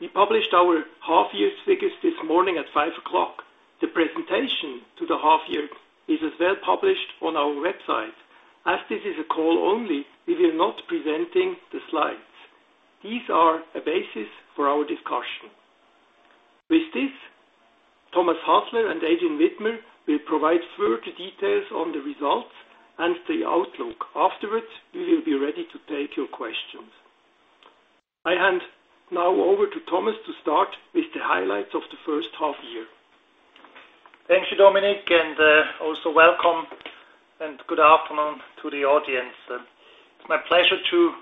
We published our half year figures this morning at 5:00 A.M. The presentation to the half year is as well published on our website. As this is a call only, we are not presenting the slides. These are a basis for our discussion. With this, Thomas Hasler and Adrian Widmer will provide further details on the results and the outlook. Afterwards, we will be ready to take your questions. I hand now over to Thomas to start with the highlights of the first half year. Thank you, Dominik, and also welcome and good afternoon to the audience. It's my pleasure to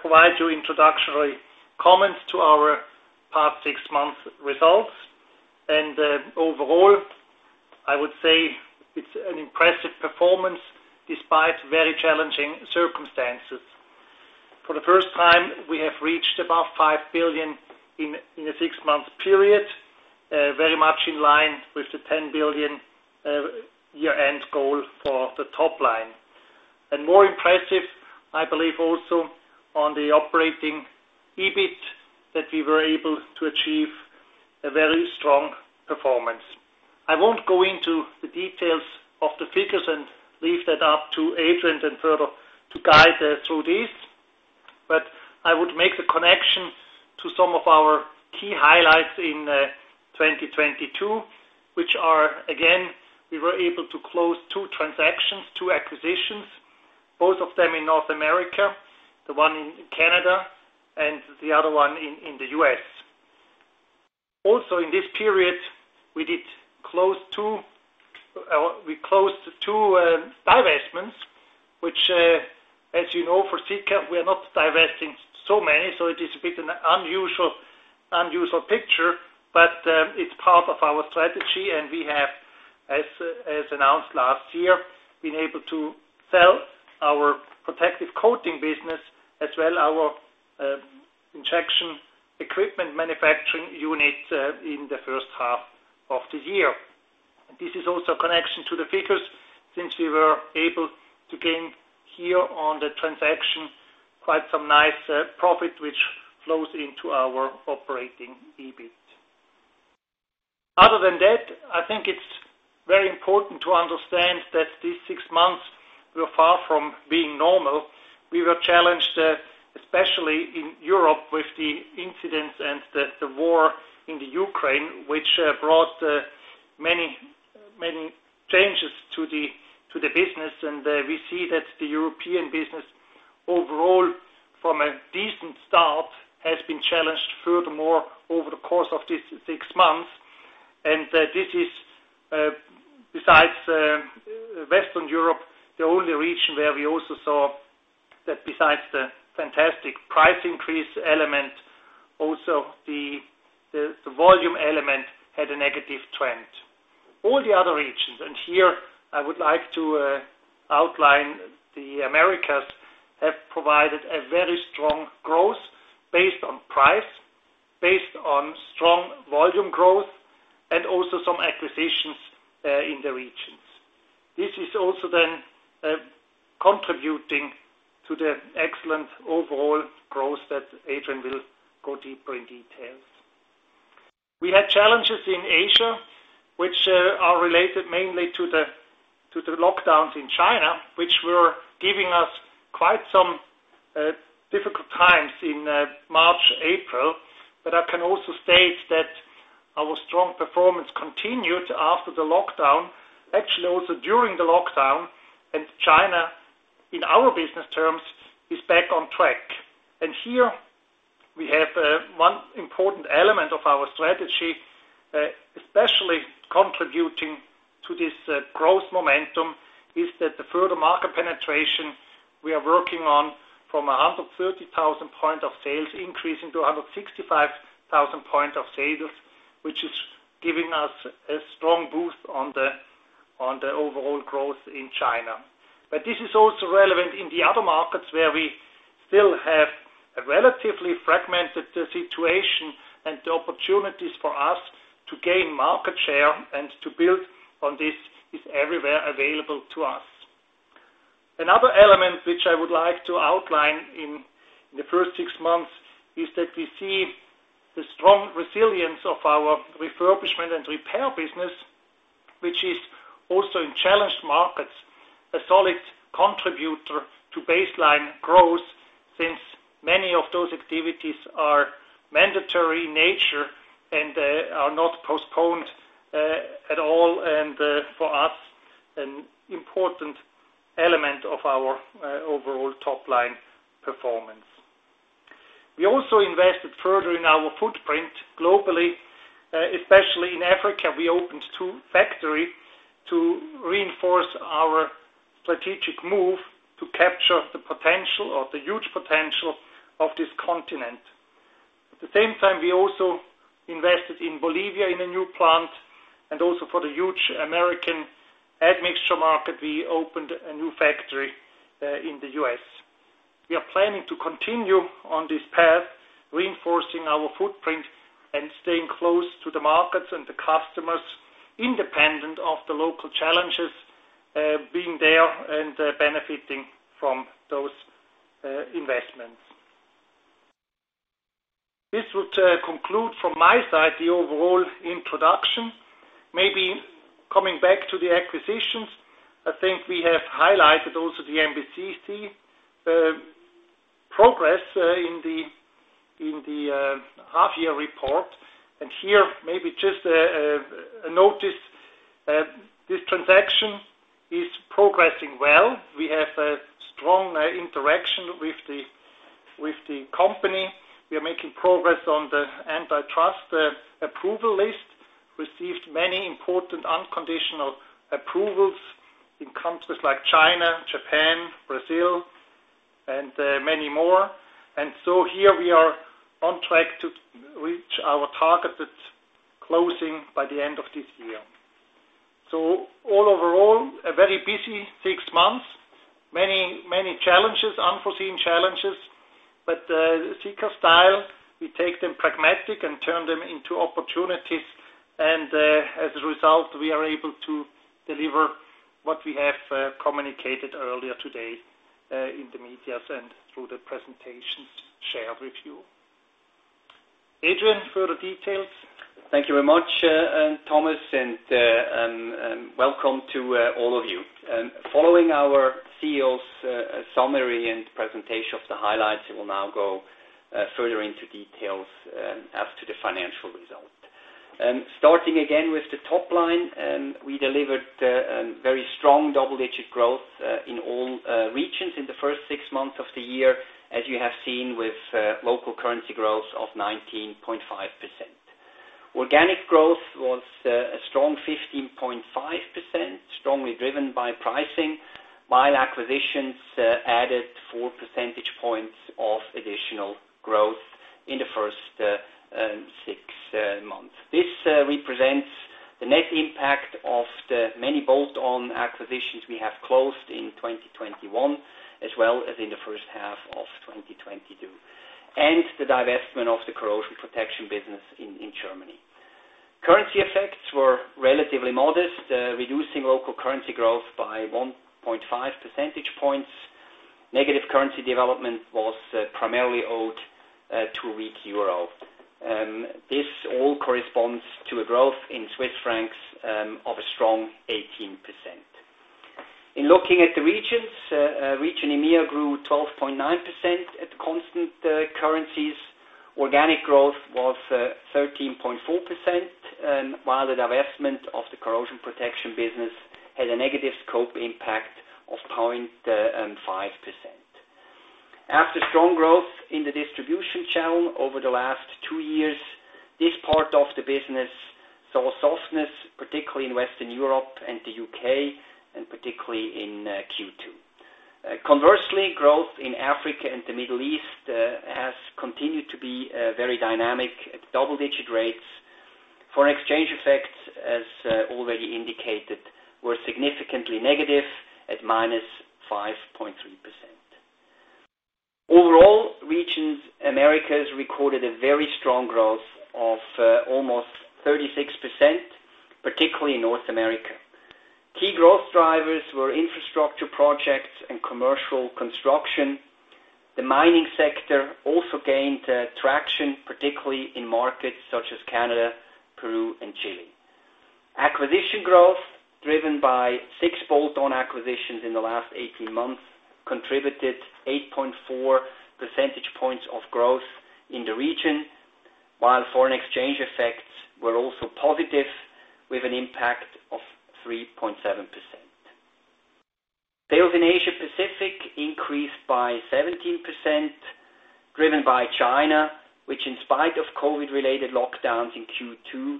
provide you introductory comments to our past six months results. Overall, I would say it's an impressive performance despite very challenging circumstances. For the first time, we have reached above 5 billion in a six-month period, very much in line with the 10 billion year-end goal for the top line. More impressive, I believe also on the operating EBIT that we were able to achieve a very strong performance. I won't go into the details of the figures and leave that up to Adrian then further to guide us through this. I would make the connection to some of our key highlights in 2022, which are, again, we were able to close two transactions, two acquisitions, both of them in North America, the one in Canada and the other one in the US. Also, in this period, we closed two divestments, which, as you know, for Sika, we are not divesting so many, so it is a bit an unusual picture, but it's part of our strategy, and we have, as announced last year, been able to sell our protective coating business, as well our injection equipment manufacturing unit in the first half of the year. This is also a connection to the figures, since we were able to gain here on the transaction quite some nice profit, which flows into our operating EBIT. Other than that, I think it's very important to understand that these six months were far from being normal. We were challenged, especially in Europe, with the incidents and the war in the Ukraine, which brought many changes to the business. We see that the European business overall from a decent start has been challenged furthermore over the course of this six months. This is, besides Western Europe, the only region where we also saw that besides the fantastic price increase element, also the volume element had a negative trend. All the other regions, and here I would like to outline the Americas, have provided a very strong growth based on price, based on strong volume growth, and also some acquisitions in the regions. This is also contributing to the excellent overall growth that Adrian will go deeper in details. We had challenges in Asia, which are related mainly to the lockdowns in China, which were giving us quite some difficult times in March, April. I can also state that our strong performance continued after the lockdown, actually also during the lockdown. China, in our business terms, is back on track. Here we have one important element of our strategy, especially contributing to this growth momentum, is that the further market penetration we are working on from 130,000 points of sale increasing to 165,000 points of sale, which is giving us a strong boost on the overall growth in China. This is also relevant in the other markets where we still have a relatively fragmented situation, and the opportunities for us to gain market share and to build on this is everywhere available to us. Another element which I would like to outline in the first six months is that we see the strong resilience of our refurbishment and repair business, which is also in challenged markets, a solid contributor to baseline growth, since many of those activities are mandatory in nature and are not postponed at all, and for us, an important element of our overall top-line performance. We also invested further in our footprint globally, especially in Africa. We opened two factories to reinforce our strategic move to capture the potential or the huge potential of this continent. At the same time, we also invested in Bolivia in a new plant and also for the huge American admixture market, we opened a new factory in the U.S.. We are planning to continue on this path, reinforcing our footprint to the markets and the customers, independent of the local challenges, being there and benefiting from those investments. This would conclude from my side the overall introduction. Maybe coming back to the acquisitions, I think we have highlighted also the MBCC progress in the half year report. Here, maybe just a notice, this transaction is progressing well. We have a strong interaction with the company. We are making progress on the antitrust approval list. Received many important unconditional approvals in countries like China, Japan, Brazil, and many more. Here we are on track to reach our targeted closing by the end of this year. Overall, a very busy six months. Many challenges, unforeseen challenges. Sika style, we take them pragmatically and turn them into opportunities. As a result, we are able to deliver what we have communicated earlier today in the media and through the presentations shared with you. Adrian, further details. Thank you very much, Thomas, and welcome to all of you. Following our CEO's summary and presentation of the highlights, we will now go further into details as to the financial result. Starting again with the top line, we delivered very strong double-digit growth in all regions in the first 6 months of the year, as you have seen with local currency growth of 19.5%. Organic growth was a strong 15.5%, strongly driven by pricing. While acquisitions added 4 percentage points of additional growth in the first 6 months. This represents the net impact of the many bolt-on acquisitions we have closed in 2021, as well as in the first half of 2022, and the divestment of the corrosion protection business in Germany. Currency effects were relatively modest, reducing local currency growth by 1.5 percentage points. Negative currency development was primarily owed to weak euro. This all corresponds to a growth in Swiss francs of a strong 18%. In looking at the regions, region EMEA grew 12.9% at constant currencies. Organic growth was 13.4%, while the divestment of the corrosion protection business had a negative scope impact of 0.5%. After strong growth in the distribution channel over the last two years, this part of the business saw softness, particularly in Western Europe and the U.K., and particularly in Q2. Conversely, growth in Africa and the Middle East has continued to be very dynamic at double-digit rates. Foreign exchange effects, as already indicated, were significantly negative at -5.3%. Overall, the Americas region recorded a very strong growth of almost 36%, particularly in North America. Key growth drivers were infrastructure projects and commercial construction. The mining sector also gained traction, particularly in markets such as Canada, Peru, and Chile. Acquisition growth, driven by six bolt-on acquisitions in the last 18 months, contributed 8.4 percentage points of growth in the region, while foreign exchange effects were also positive with an impact of 3.7%. Sales in Asia-Pacific increased by 17%, driven by China, which in spite of COVID-related lockdowns in Q2,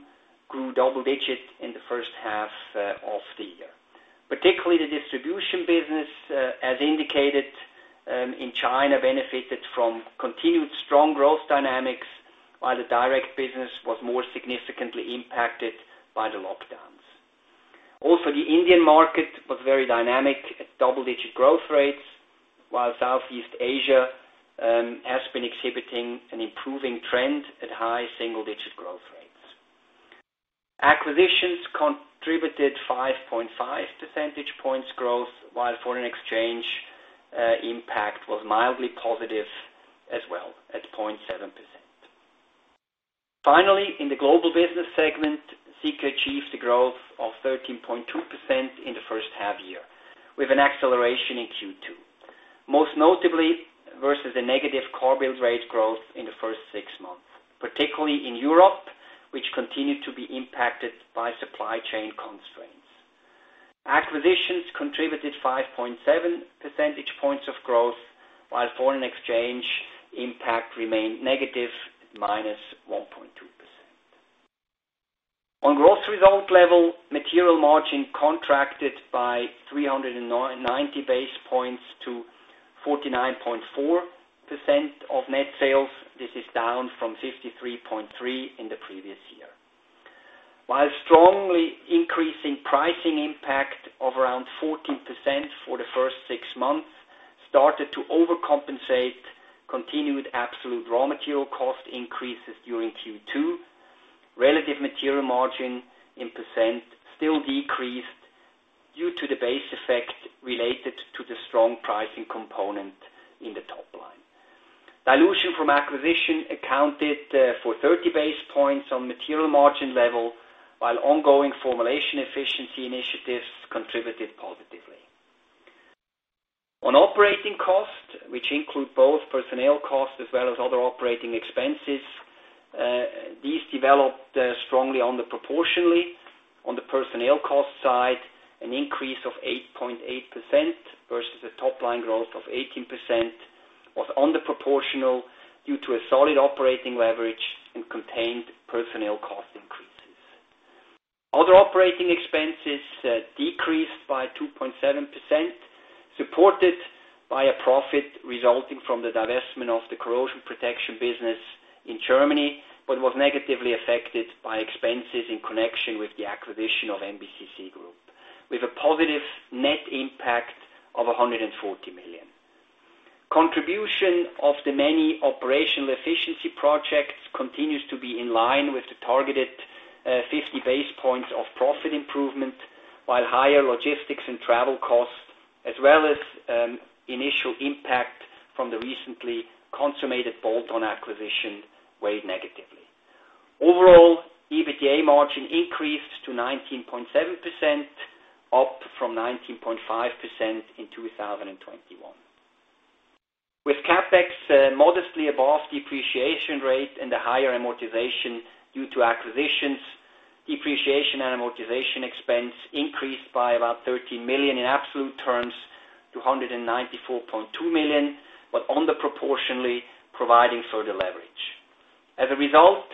grew double-digit in the first half of the year. Particularly the distribution business, as indicated, in China, benefited from continued strong growth dynamics, while the direct business was more significantly impacted by the lockdowns. Also, the Indian market was very dynamic at double-digit growth rates, while Southeast Asia, has been exhibiting an improving trend at high single-digit growth rates. Acquisitions contributed 5.5 percentage points growth, while foreign exchange impact was mildly positive as well at 0.7%. Finally, in the global business segment, Sika achieved a growth of 13.2% in the first half year, with an acceleration in Q2. Most notably, versus a negative car build rate growth in the first six months, particularly in Europe, which continued to be impacted by supply chain constraints. Acquisitions contributed 5.7 percentage points of growth, while foreign exchange impact remained negative, -1.2%. On gross result level, material margin contracted by 390 base points to 49.4% of net sales. This is down from 53.3% in the previous year. While strongly increasing pricing impact of around 14% for the first six months started to overcompensate continued absolute raw material cost increases during Q2. Relative material margin in percent still decreased due to the base effect related to the strong pricing component in the top line. Dilution from acquisition accounted for 30 base points on material margin level, while ongoing formulation efficiency initiatives contributed positively. On operating costs, which include both personnel costs as well as other operating expenses, these developed strongly under proportionally. On the personnel cost side, an increase of 8.8% versus a top line growth of 18% was under proportional due to a solid operating leverage and contained personnel cost increases. Other operating expenses decreased by 2.7%, supported by a profit resulting from the divestment of the corrosion protection business in Germany, but was negatively affected by expenses in connection with the acquisition of MBCC Group, with a positive net impact of 140 million. Contribution of the many operational efficiency projects continues to be in line with the targeted 50 basis points of profit improvement, while higher logistics and travel costs, as well as initial impact from the recently consummated bolt-on acquisition weighed negatively. Overall, EBITDA margin increased to 19.7%, up from 19.5% in 2021. With CapEx modestly above depreciation rate and the higher amortization due to acquisitions, depreciation and amortization expense increased by about 13 million in absolute terms to 194.2 million, but under proportionally, providing further leverage. As a result,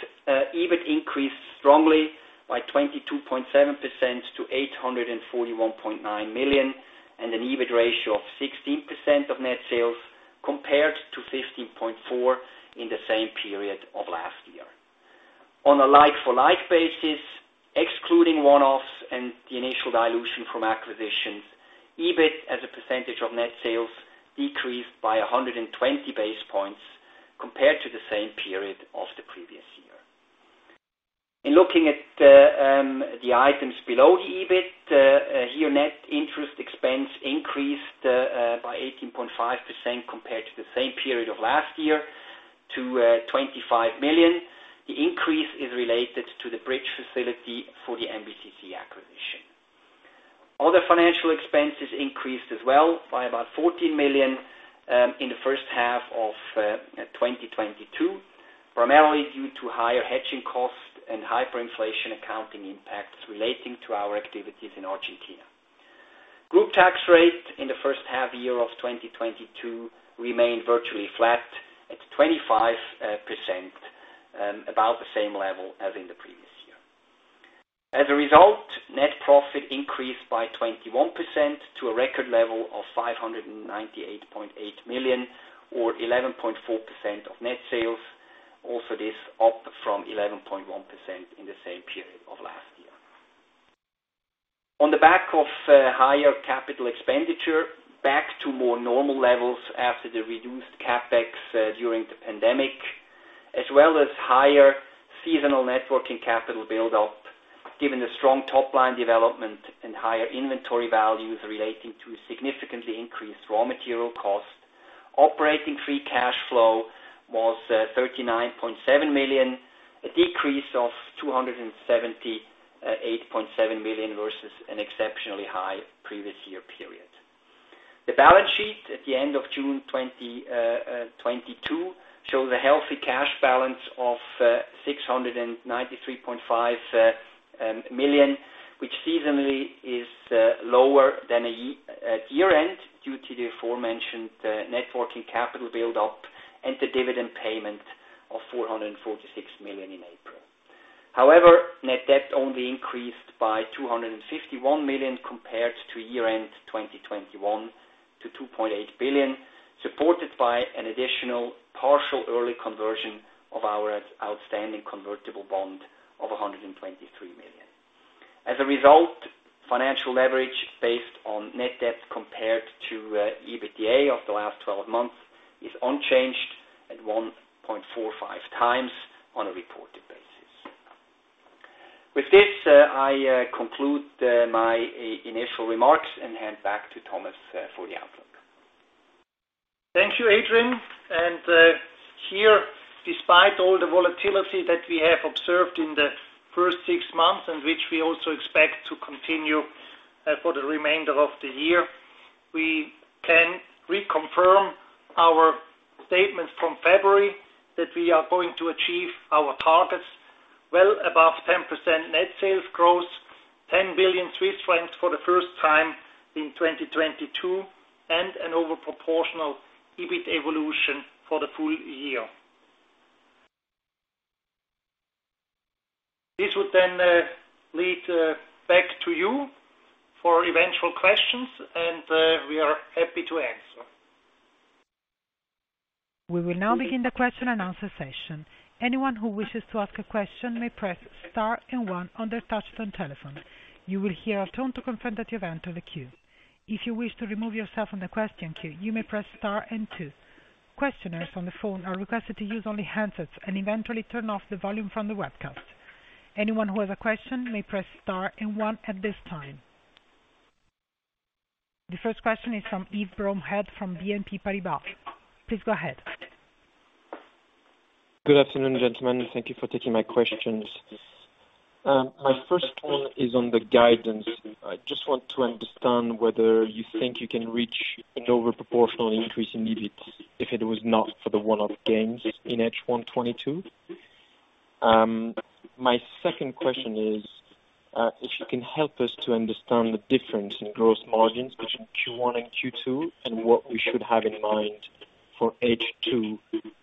EBIT increased strongly by 22.7% to 841.9 million, and an EBIT ratio of 16% of net sales compared to 15.4% in the same period of last year. On a like for like basis, excluding one-offs and the initial dilution from acquisitions, EBIT as a percentage of net sales decreased by 120 basis points compared to the same period of the previous year. In looking at the items below the EBIT, here net interest expense increased by 18.5% compared to the same period of last year to 25 million. The increase is related to the bridge facility for the MBCC acquisition. Other financial expenses increased as well by about 14 million in the first half of 2022, primarily due to higher hedging costs and hyperinflation accounting impacts relating to our activities in Argentina. Group tax rate in the first half of 2022 remained virtually flat at 25%, about the same level as in the previous year. As a result, net profit increased by 21% to a record level of 598.8 million or 11.4% of net sales. This up from 11.1% in the same period of last year. On the back of higher capital expenditure, back to more normal levels after the reduced CapEx during the pandemic, as well as higher seasonal net working capital build up, given the strong top line development and higher inventory values relating to significantly increased raw material costs. Operating free cash flow was 39.7 million, a decrease of 278.7 million versus an exceptionally high previous year period. The balance sheet at the end of June 2022 show the healthy cash balance of 693.5 million, which seasonally is lower than at year-end due to the aforementioned net working capital build-up and the dividend payment of 446 million in April. However, net debt only increased by 251 million compared to year-end 2021 to 2.8 billion, supported by an additional partial early conversion of our outstanding convertible bond of 123 million. As a result, financial leverage based on net debt compared to EBITDA of the last 12 months is unchanged at 1.45 times on a reported basis. With this, I conclude my initial remarks and hand back to Thomas for the outlook. Thank you, Adrian. Here, despite all the volatility that we have observed in the first six months, and which we also expect to continue, for the remainder of the year, we can reconfirm our statements from February that we are going to achieve our targets well above 10% net sales growth, 10 billion Swiss francs for the first time in 2022, and an over proportional EBIT evolution for the full year. This would then lead back to you for eventual questions, and we are happy to answer. We will now begin the question and answer session. Anyone who wishes to ask a question may press star and one on their touch-tone telephone. You will hear a tone to confirm that you have entered the queue. If you wish to remove yourself from the question queue, you may press star and two. Questioners on the phone are requested to use only handsets and eventually turn off the volume from the webcast. Anyone who has a question may press star and one at this time. The first question is from Yassine Touahri from BNP Paribas. Please go ahead. Good afternoon, gentlemen. Thank you for taking my questions. My first one is on the guidance. I just want to understand whether you think you can reach an over proportional increase in EBIT if it was not for the one-off gains in H1 2022. My second question is, if you can help us to understand the difference in gross margins between Q1 and Q2, and what we should have in mind for H2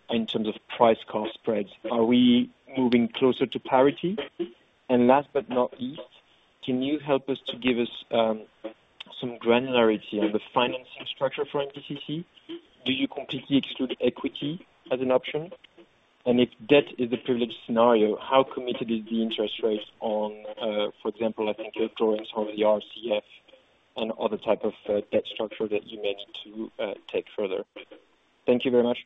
in terms of price cost spreads. Are we moving closer to parity? Last but not least, can you help us to give us some granularity on the financing structure for MBCC? Do you completely exclude equity as an option? If debt is the preferred scenario, how committed is the interest rates on, for example, I think you're drawing some of the RCF and other type of debt structure that you may need to take further? Thank you very much.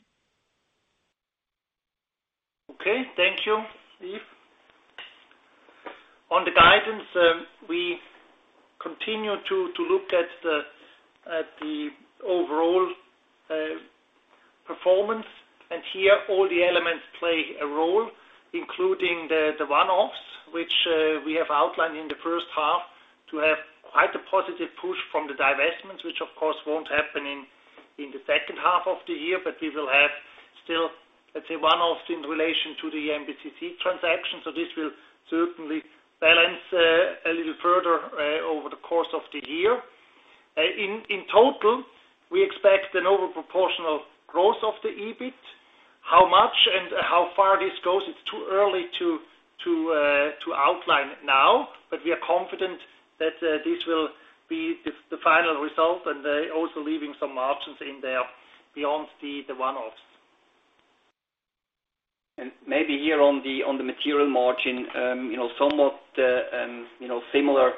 Okay. Thank you, Yves. On the guidance, we continue to look at the overall performance, and here all the elements play a role, including the one-offs, which we have outlined in the first half to have quite a positive push from the divestments, which of course won't happen in the second half of the year. We will have still, let's say, one-offs in relation to the MBCC transaction. This will certainly balance a little further over the course of the year. In total, we expect an over proportional growth of the EBIT. How much and how far this goes, it's too early to outline now, but we are confident that this will be the final result, and also leaving some options in there beyond the one-offs. Maybe here on the material margin, you know, somewhat, you know, similar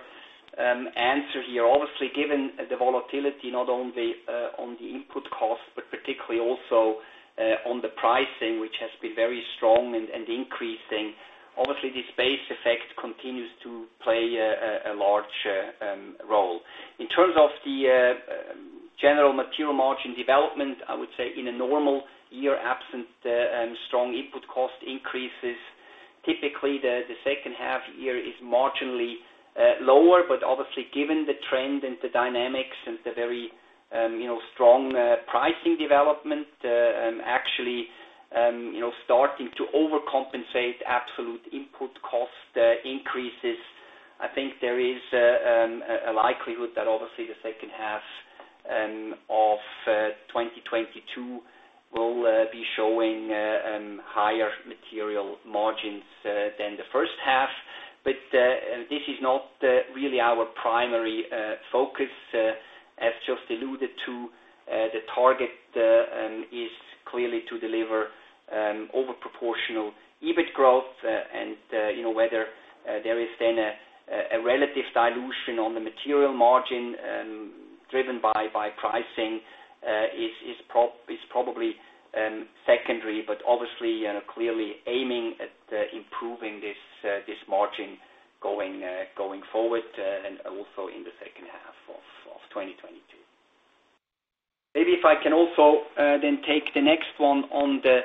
answer here. Obviously, given the volatility not only on the input cost, but particularly also on the pricing, which has been very strong and increasing, obviously this base effect continues to play a large role. In terms of the general material margin development, I would say in a normal year, absent strong input cost increases, typically the second half year is marginally lower. Obviously, given the trend and the dynamics and the very, you know, strong pricing development, actually, you know, starting to overcompensate absolute input cost increases, I think there is a likelihood that obviously the second half of 2022 will be showing higher material margins than the first half. This is not really our primary focus. As just alluded to, the target is clearly to deliver over proportional EBIT growth. You know, whether there is then a relative dilution on the material margin driven by pricing is probably secondary, but obviously and clearly aiming at improving this margin going forward and also in the second half of 2022. Maybe if I can also take the next one on the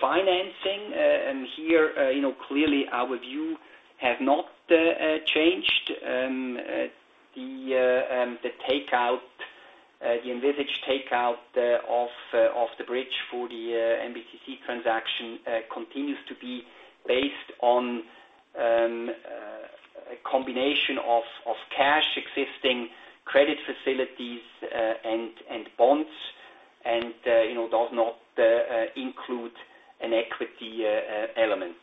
financing. Here you know clearly our view has not changed. The takeout, the envisaged takeout of the bridge for the MBCC transaction continues to be based on a combination of cash existing credit facilities and bonds and you know does not include an equity element.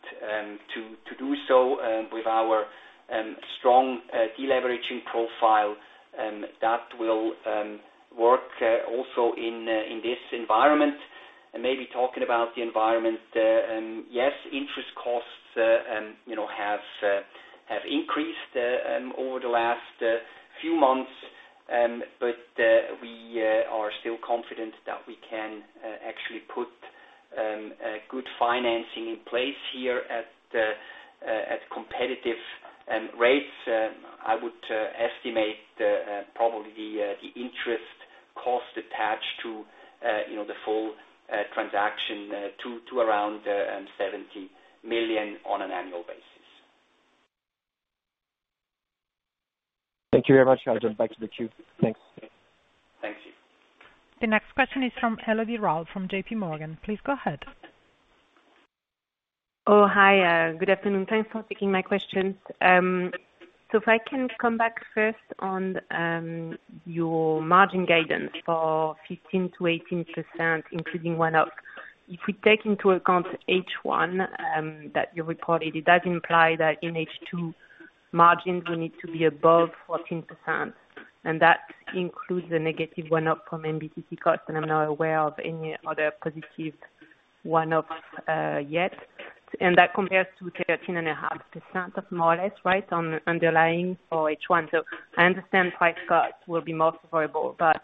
To do so with our strong deleveraging profile that will work also in this environment. Maybe talking about the environment, interest costs, you know, have increased over the last few months. We are still confident that we can actually put a good financing in place here at competitive rates. I would estimate probably the interest cost attached to, you know, the full transaction to around 70 million on an annual basis. Thank you very much. I'll jump back to the queue. Thanks. Thank you. The next question is from Elodie Rall from JPMorgan. Please go ahead. Oh, hi. Good afternoon. Thanks for taking my questions. If I can come back first on your margin guidance for 15%-18%, including one-off. If we take into account H1 that you reported, it does imply that in H2 margins will need to be above 14%. That includes the negative one-off from MBCC costs, and I'm not aware of any other positive one-offs yet. That compares to 13.5% or more or less right on underlying for H1. I understand price cuts will be more favorable. But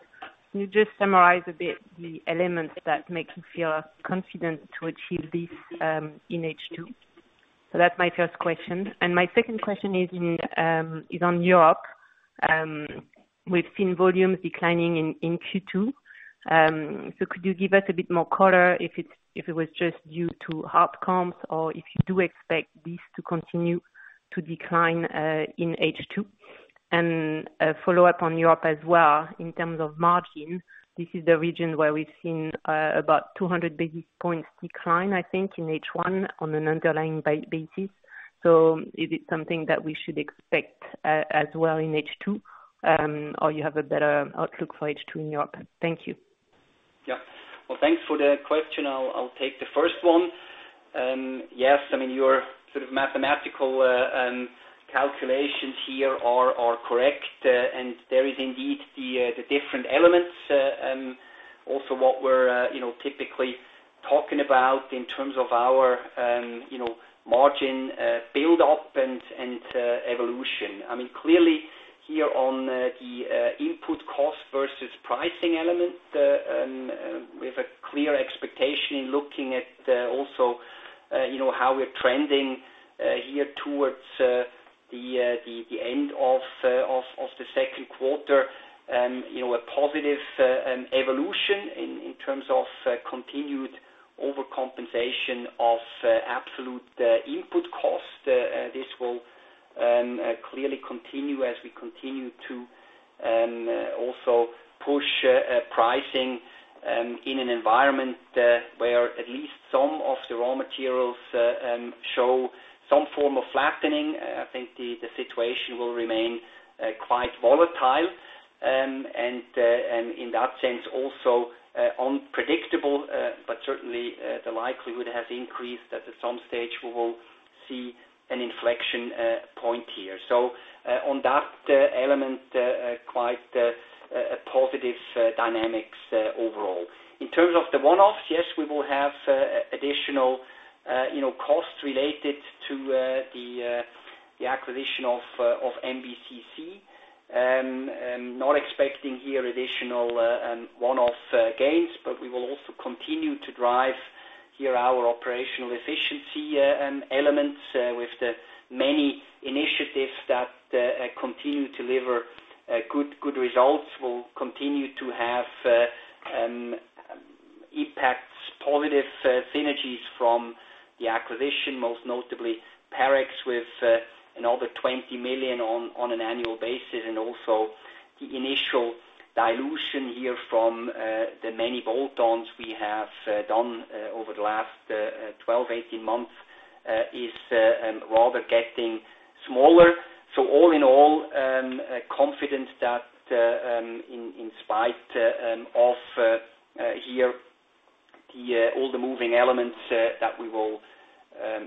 can you just summarize a bit the elements that make you feel confident to achieve this in H2? That's my first question. My second question is on Europe. We've seen volumes declining in Q2. Could you give us a bit more color if it was just due to hard comps or if you do expect this to continue to decline in H2? A follow up on Europe as well. In terms of margin, this is the region where we've seen about 200 basis points decline, I think, in H1 on an underlying basis. Is it something that we should expect as well in H2, or you have a better outlook for H2 in Europe? Thank you. Yeah. Well, thanks for the question. I'll take the first one. Yes, I mean, your sort of mathematical calculations here are correct, and there is indeed the different elements. Also what we're you know, typically talking about in terms of our you know, margin build up and evolution. I mean, clearly here on the input cost versus pricing element, we have a clear expectation in looking at also you know, how we're trending here towards the end of the second quarter. You know, a positive evolution in terms of continued overcompensation of absolute input costs. This will clearly continue as we continue to also push pricing in an environment where at least some of the raw materials show some form of flattening. I think the situation will remain quite volatile and in that sense also unpredictable. But certainly the likelihood has increased that at some stage we will see an inflection point here. On that element, quite a positive dynamics overall. In terms of the one-offs, yes, we will have additional, you know, costs related to the acquisition of MBCC. Not expecting here additional one-off gains. We will also continue to drive here our operational efficiency elements with the many initiatives that continue to deliver good results. Will continue to have positive synergies from the acquisition, most notably Parex, with another 20 million on an annual basis. Also the initial dilution here from the many bolt-ons we have done over the last 12-18 months is rather getting smaller. All in all, confident that in spite of all the moving elements that we will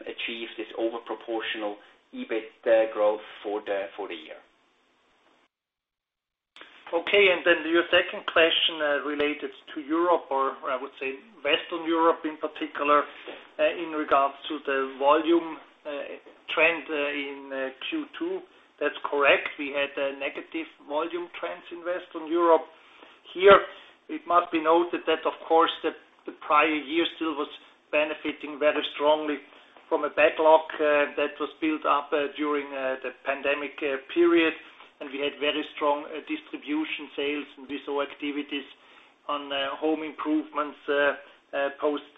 achieve this over proportional EBIT growth for the year. Okay. Then your second question related to Europe, or I would say Western Europe in particular, in regards to the volume trend in Q2. That's correct. We had negative volume trends in Western Europe. Here it must be noted that of course, the prior year still was benefiting very strongly from a backlog that was built up during the pandemic period, and we had very strong distribution sales and retail activities on home improvements post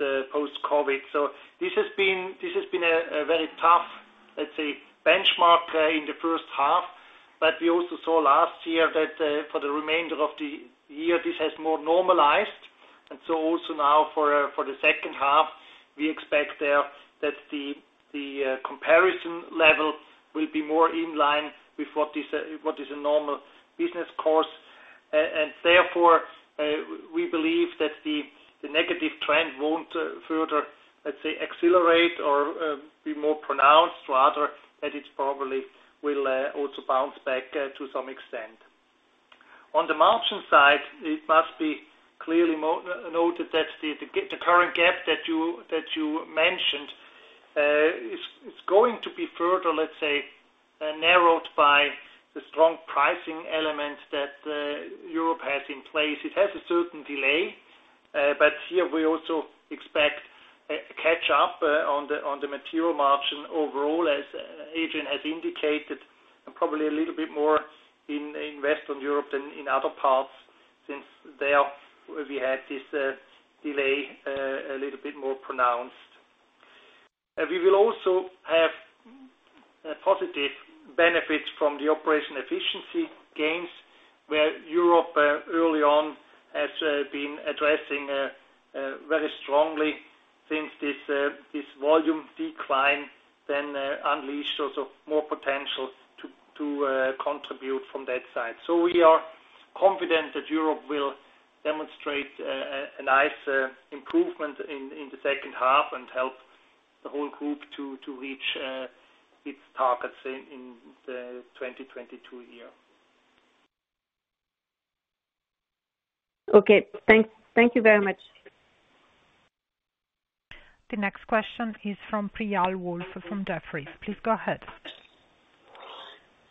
COVID. So this has been a very tough, let's say, benchmark in the first half. But we also saw last year that for the remainder of the year, this has more normalized. Also now for the second half, we expect that the comparison level will be more in line with what is a normal business course. Therefore, we believe that the negative trend won't further, let's say, accelerate or be more pronounced, rather that it probably will also bounce back to some extent. On the margin side, it must be clearly noted that the current gap that you mentioned is going to be further, let's say, narrowed by the strong pricing elements that Europe has in place. It has a certain delay, but here we also expect a catch up on the material margin overall, as Adrian has indicated, probably a little bit more in Western Europe than in other parts, since there we had this delay a little bit more pronounced. We will also have positive benefits from the operational efficiency gains where Europe early on has been addressing very strongly since this volume decline then unleashed also more potential to contribute from that side. We are confident that Europe will demonstrate a nice improvement in the second half and help the whole group to reach its targets in the 2022 year. Okay. Thank you very much. The next question is from Priyal Woolf from Jefferies. Please go ahead.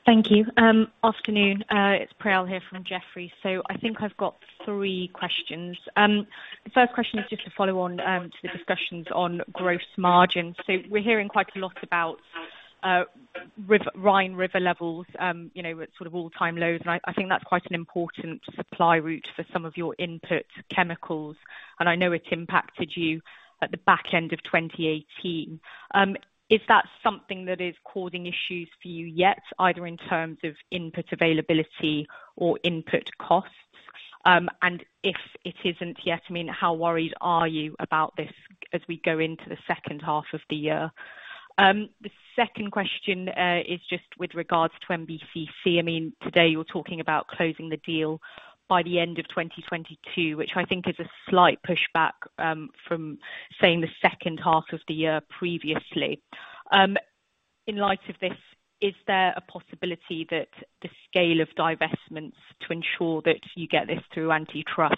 Thank you. Afternoon, it's Priyal here from Jefferies. I think I've got three questions. The first question is just to follow on to the discussions on gross margins. We're hearing quite a lot about Rhine River levels, you know, at sort of all-time lows, and I think that's quite an important supply route for some of your input chemicals. I know it's impacted you at the back end of 2018. Is that something that is causing issues for you yet, either in terms of input availability or input costs? If it isn't yet, I mean, how worried are you about this as we go into the second half of the year? The second question is just with regards to MBCC. I mean, today you're talking about closing the deal by the end of 2022, which I think is a slight pushback from saying the second half of the year previously. In light of this, is there a possibility that the scale of divestments to ensure that you get this through antitrust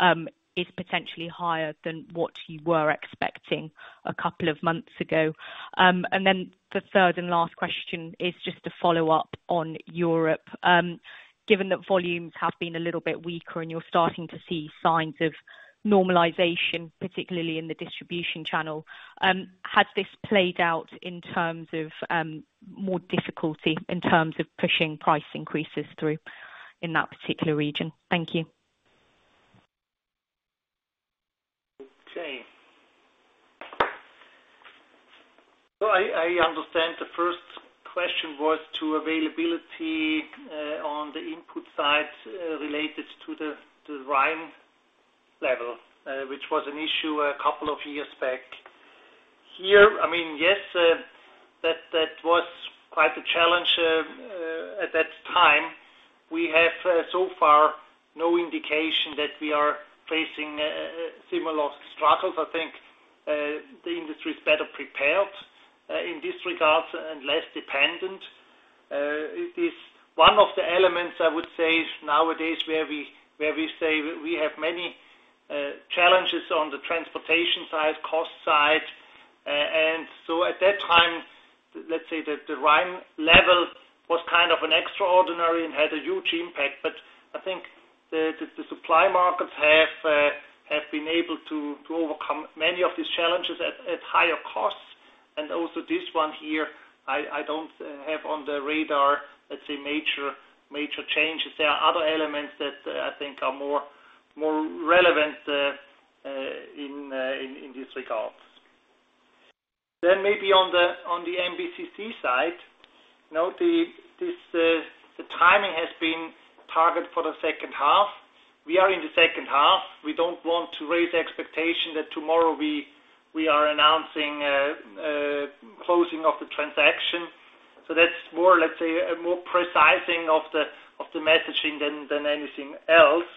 is potentially higher than what you were expecting a couple of months ago? Then the third and last question is just a follow-up on Europe. Given that volumes have been a little bit weaker and you're starting to see signs of normalization, particularly in the distribution channel, has this played out in terms of more difficulty in terms of pushing price increases through in that particular region? Thank you. Okay. I understand the first question was to availability on the input side related to the Rhine level, which was an issue a couple of years back. Here, I mean, yes, that was quite a challenge at that time. We have so far no indication that we are facing similar struggles. I think the industry is better prepared in this regard and less dependent. It is one of the elements, I would say, nowadays where we say we have many challenges on the transportation side, cost side. At that time, let's say the Rhine level was kind of an extraordinary and had a huge impact. I think the supply markets have been able to overcome many of these challenges at higher costs. Also this one here, I don't have on the radar, let's say, major changes. There are other elements that, I think are more relevant in this regard. Maybe on the MBCC side. Now, this timing has been targeted for the second half. We are in the second half. We don't want to raise the expectation that tomorrow we are announcing closing of the transaction. That's more, let's say, a more precise of the messaging than anything else.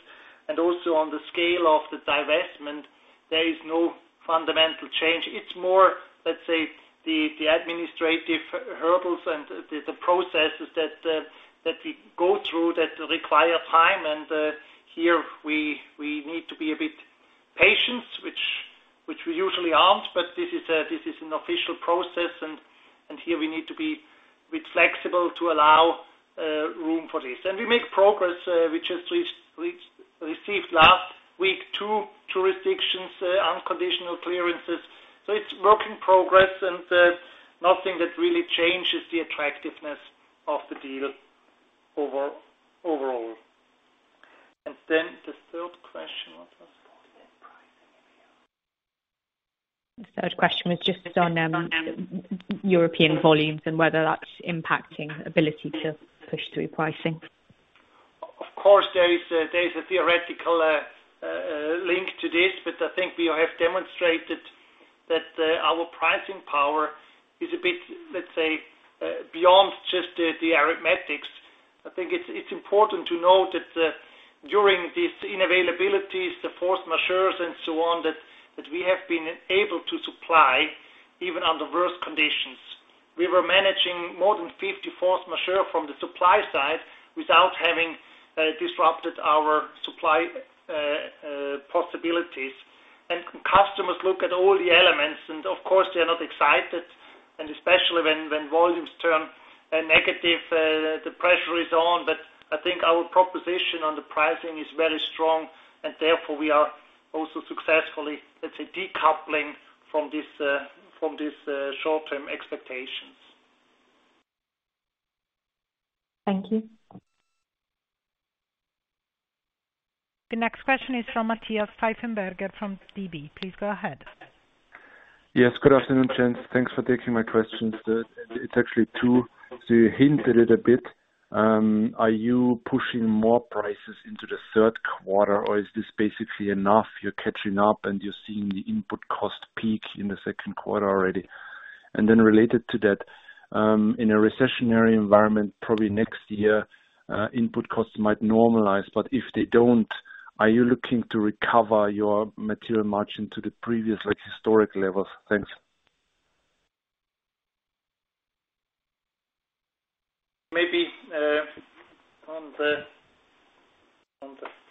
Also on the scale of the divestment, there is no fundamental change. It's more, let's say, the administrative hurdles and the processes that we go through that require time. Here we need to be a bit patient, which we usually aren't. This is an official process, and here we need to be a bit flexible to allow room for this. We make progress. We just received last week two jurisdictions unconditional clearances. It's work in progress and nothing that really changes the attractiveness of the deal overall. Then the third question was? The third question was just on European volumes and whether that's impacting ability to push through pricing. Of course, there is a theoretical link to this, but I think we have demonstrated that our pricing power is a bit, let's say, beyond just the arithmetics. I think it's important to note that during these unavailabilities, the force majeures and so on, that we have been able to supply even under worse conditions. We were managing more than 50 force majeure from the supply side without having disrupted our supply possibilities. Customers look at all the elements, and of course, they are not excited. Especially when volumes turn negative, the pressure is on. But I think our proposition on the pricing is very strong, and therefore we are also successfully, let's say, decoupling from this short-term expectations. Thank you. The next question is from Matthias Pfeifenberger from DB. Please go ahead. Yes, good afternoon, gents. Thanks for taking my questions. It's actually two. You hinted it a bit. Are you pushing more prices into the third quarter, or is this basically enough, you're catching up and you're seeing the input cost peak in the second quarter already? Then related to that, in a recessionary environment, probably next year, input costs might normalize. If they don't, are you looking to recover your material margin to the previous, like, historic levels? Thanks. Maybe, on the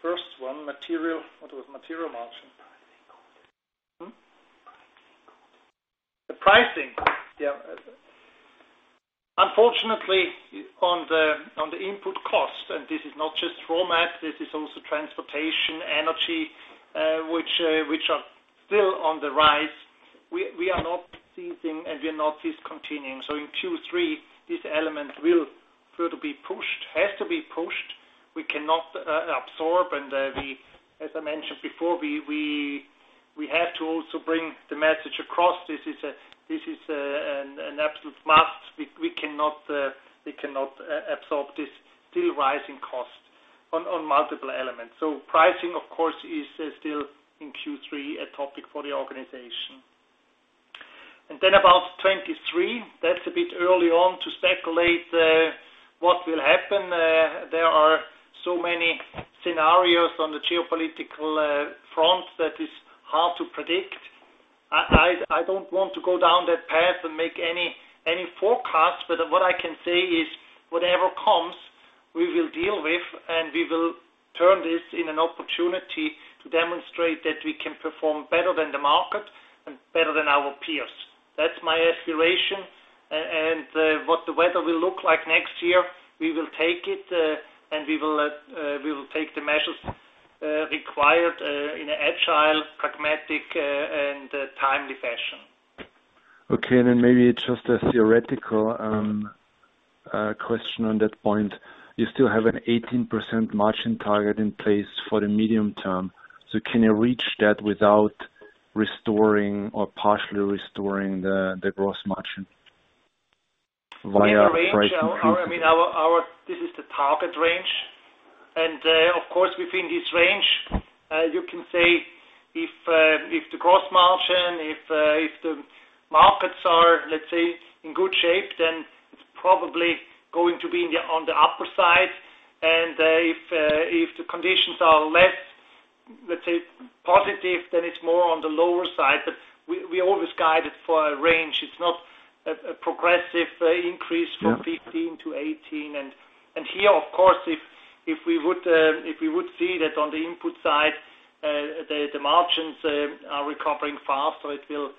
first one, material, what was material margin? Pricing. Hmm? Pricing. The pricing. Yeah. Unfortunately, on the input cost, and this is not just raw mat, this is also transportation, energy, which are still on the rise. We are not ceasing and we are not discontinuing. In Q3, this element will further be pushed. Has to be pushed. We cannot absorb. As I mentioned before, we have to also bring the message across. This is an absolute must. We cannot absorb this still rising cost on multiple elements. Pricing, of course, is still in Q3 a topic for the organization. Then about 2023, that's a bit early on to speculate what will happen. There are so many scenarios on the geopolitical front that is hard to predict. I don't want to go down that path and make any forecast. What I can say is whatever comes, we will deal with, and we will turn this in an opportunity to demonstrate that we can perform better than the market and better than our peers. That's my aspiration. What the weather will look like next year, we will take it, and we will take the measures required in an agile, pragmatic, and timely fashion. Maybe just a theoretical question on that point. You still have an 18% margin target in place for the medium term. Can you reach that without restoring or partially restoring the gross margin via price increases? Within the range, this is the target range. Of course, within this range, you can say if the gross margin, if the markets are, let's say, in good shape, then it's probably going to be on the upper side. If the conditions are less, let's say, positive, then it's more on the lower side. We always guide it for a range. It's not a progressive increase. Yeah. from 15% to 18%. Here, of course, if we would see that on the input side, the margins are recovering faster, it will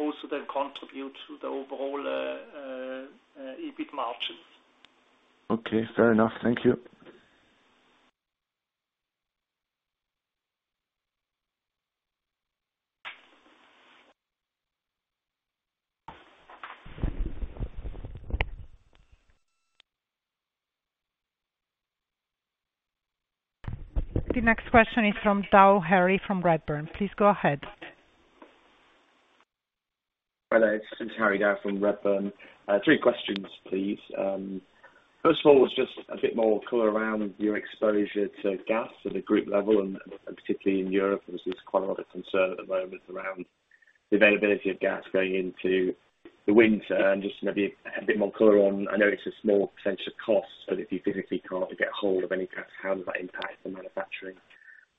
also then contribute to the overall EBIT margins. Okay. Fair enough. Thank you. The next question is from Dow Harry from Redburn. Please go ahead. Hello. It's Harry Dow from Redburn. Three questions, please. First of all, it's just a bit more color around your exposure to gas at a group level and particularly in Europe. There's quite a lot of concern at the moment around the availability of gas going into the winter and just maybe a bit more color on. I know it's a small percentage of cost, but if you physically can't get hold of any gas, how does that impact the manufacturing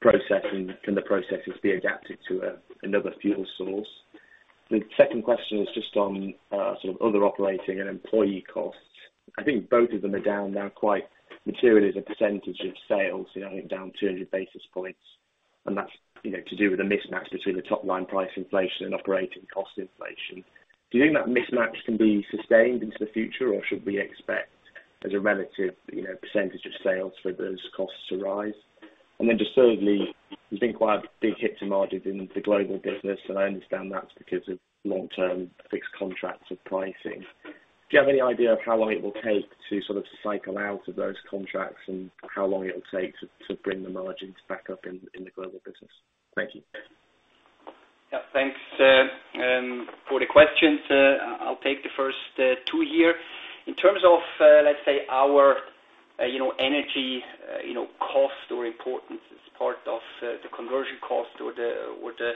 process? And can the processes be adapted to another fuel source? The second question is just on sort of other operating and employee costs. I think both of them are down now quite materially as a percentage of sales, you know, I think down 200 basis points. That's, you know, to do with a mismatch between the top-line price inflation and operating cost inflation. Do you think that mismatch can be sustained into the future, or should we expect as a relative, you know, percentage of sales for those costs to rise? Then just thirdly, there's been quite a big hit to margins in the global business, and I understand that's because of long-term fixed contracts of pricing. Do you have any idea of how long it will take to sort of cycle out of those contracts and how long it will take to bring the margins back up in the global business? Thank you. Yeah, thanks for the questions. I'll take the first two here. In terms of, let's say our, you know, energy, you know, cost or importance as part of, the conversion cost or the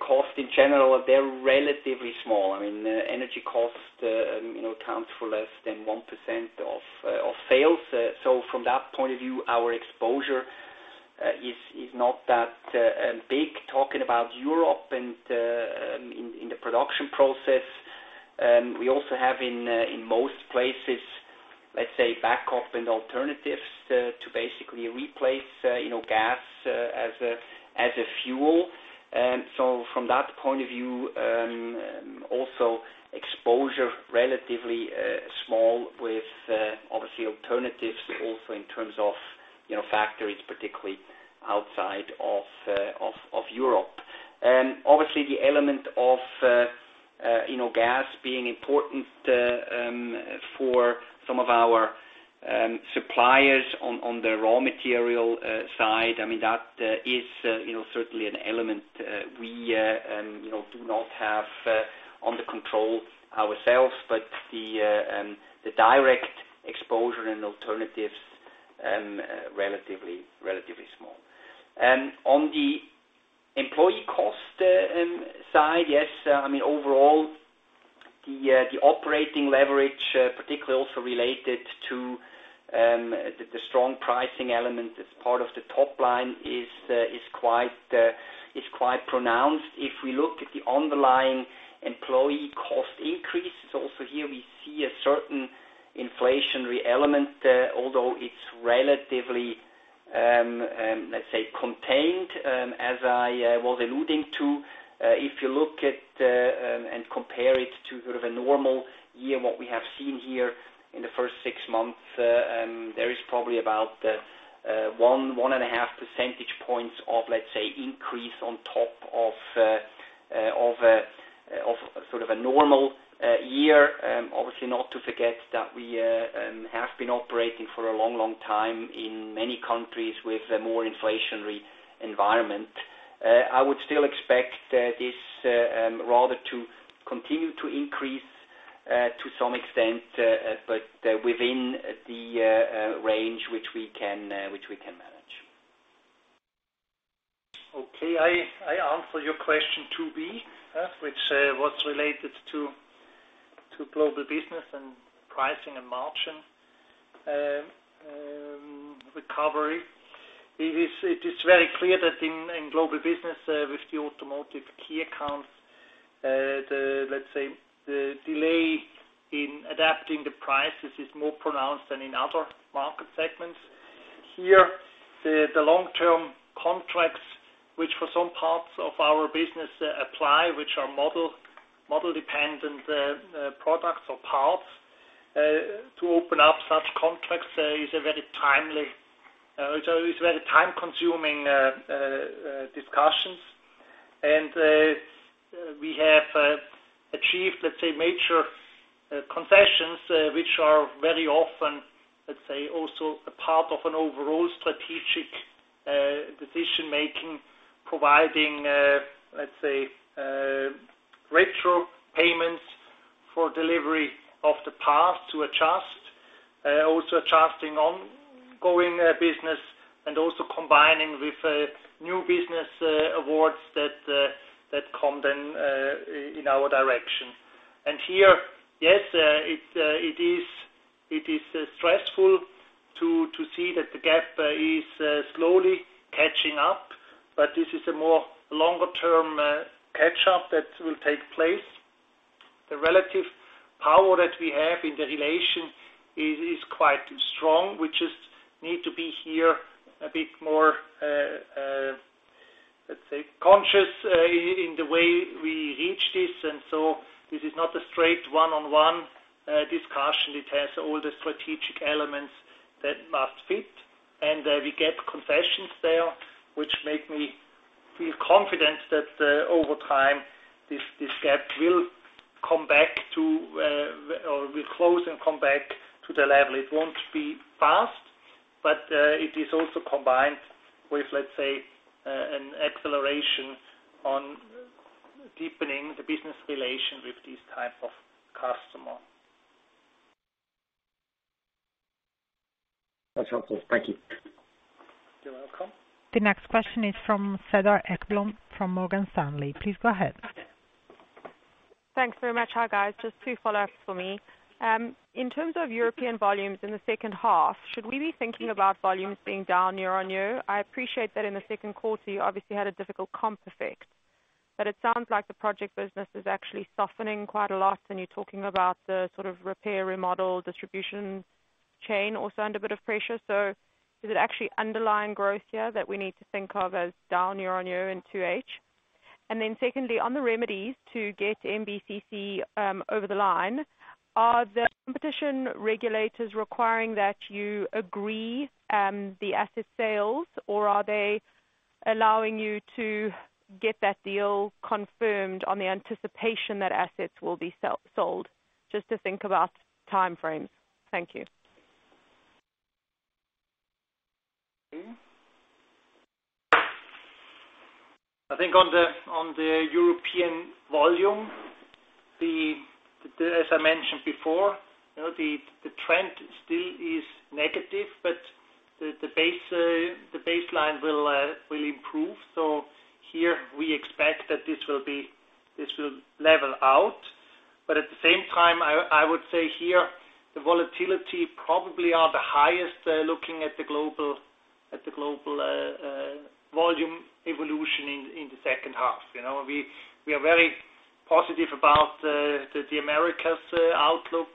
cost in general, they're relatively small. I mean, energy costs, you know, accounts for less than 1% of sales. From that point of view, our exposure is not that big. Talking about Europe and in the production process, we also have in most places, let's say, backup and alternatives to basically replace, you know, gas as a fuel. From that point of view, also exposure relatively small with obviously alternatives also in terms of, you know, factories, particularly outside of Europe. Obviously the element of, you know, gas being important for some of our suppliers on the raw material side. I mean, that is, you know, certainly an element we, you know, do not have under control ourselves, but the direct exposure and alternatives relatively small. On the employee cost side, yes, I mean, overall, the operating leverage, particularly also related to the strong pricing element as part of the top line, is quite pronounced. If we look at the underlying employee cost increases, also here we see a certain inflationary element, although it's relatively, let's say, contained, as I was alluding to. If you look at and compare it to sort of a normal year, what we have seen here in the first six months, there is probably about 1.5 percentage points of, let's say, increase on top of sort of a normal year. Obviously not to forget that we have been operating for a long, long time in many countries with a more inflationary environment. I would still expect this rather to continue to increase to some extent, but within the range which we can manage. I answer your question 2B, which was related to global business and pricing and margin recovery. It is very clear that in global business with the automotive key accounts, let's say, the delay in adapting the prices is more pronounced than in other market segments. Here, the long-term contracts, which for some parts of our business apply, which are model-dependent products or parts, to open up such contracts is very time-consuming discussions. We have achieved, let's say, major concessions, which are very often, let's say, also a part of an overall strategic decision-making, providing, let's say, retro payments for delivery of the past to adjust, also adjusting ongoing business and also combining with new business awards that come then in our direction. Here, yes, it is stressful to see that the gap is slowly catching up, but this is a more longer-term catch-up that will take place. The relative power that we have in the relation is quite strong. We just need to be here a bit more, let's say, conscious in the way we reach this. This is not a straight one-on-one discussion. It has all the strategic elements that must fit. We get concessions there, which make me feel confident that over time, this gap will come back to or will close and come back to the level. It won't be fast, but it is also combined with, let's say, an acceleration on deepening the business relation with these type of customer. That's helpful. Thank you. You're welcome. The next question is from Cedar Ekblom from Morgan Stanley. Please go ahead. Thanks very much. Hi, guys. Just two follow-ups for me. In terms of European volumes in the second half, should we be thinking about volumes being down year-on-year? I appreciate that in the second quarter, you obviously had a difficult comp effect, but it sounds like the project business is actually softening quite a lot, and you're talking about the sort of repair, remodel, distribution chain also under a bit of pressure. Is it actually underlying growth here that we need to think of as down year-on-year in 2H? And then secondly, on the remedies to get MBCC over the line, are the competition regulators requiring that you agree the asset sales, or are they allowing you to get that deal confirmed on the anticipation that assets will be sold? Just to think about timeframes. Thank you. I think on the European volume, as I mentioned before, you know, the trend still is negative, but the baseline will improve. Here we expect that this will level out. At the same time, I would say here the volatility probably are the highest, looking at the global volume evolution in the second half. You know, we are very positive about the Americas outlook,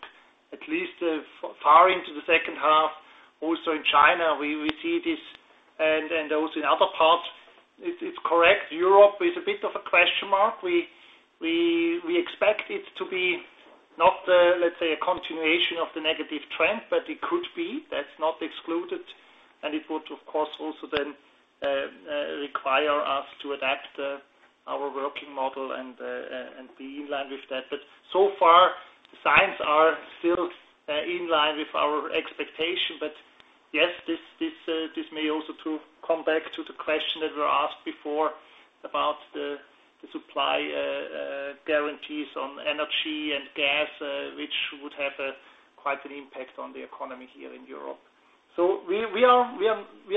at least far into the second half. Also in China, we see this and also in other parts. It's correct. Europe is a bit of a question mark. We expect it to be not, let's say, a continuation of the negative trend, but it could be. That's not excluded. It would, of course, also then require us to adapt our working model and be in line with that. So far, the signs are still in line with our expectation. Yes, this may also to come back to the question that were asked before. About the supply guarantees on energy and gas, which would have quite an impact on the economy here in Europe. We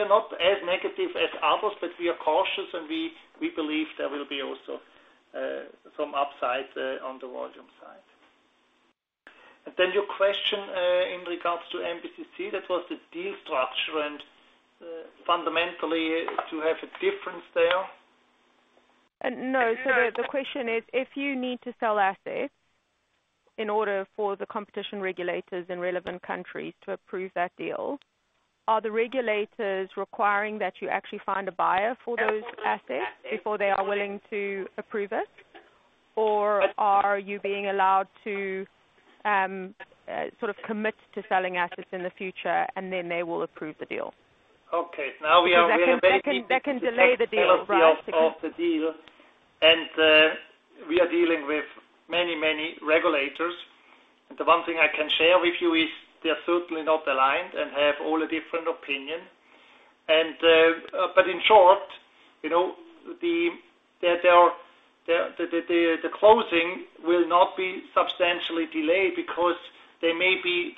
are not as negative as others, but we are cautious and we believe there will be also some upside on the volume side. Then your question in regards to NBTC, that was the deal structure and, fundamentally to have a difference there. No. The question is, if you need to sell assets in order for the competition regulators in relevant countries to approve that deal, are the regulators requiring that you actually find a buyer for those assets before they are willing to approve it? Or are you being allowed to sort of commit to selling assets in the future and then they will approve the deal? Okay. Now we are. Because that can delay the deal, right? Of the deal. We are dealing with many regulators. The one thing I can share with you is they are certainly not aligned and have all a different opinion. But in short, you know, the closing will not be substantially delayed because there may be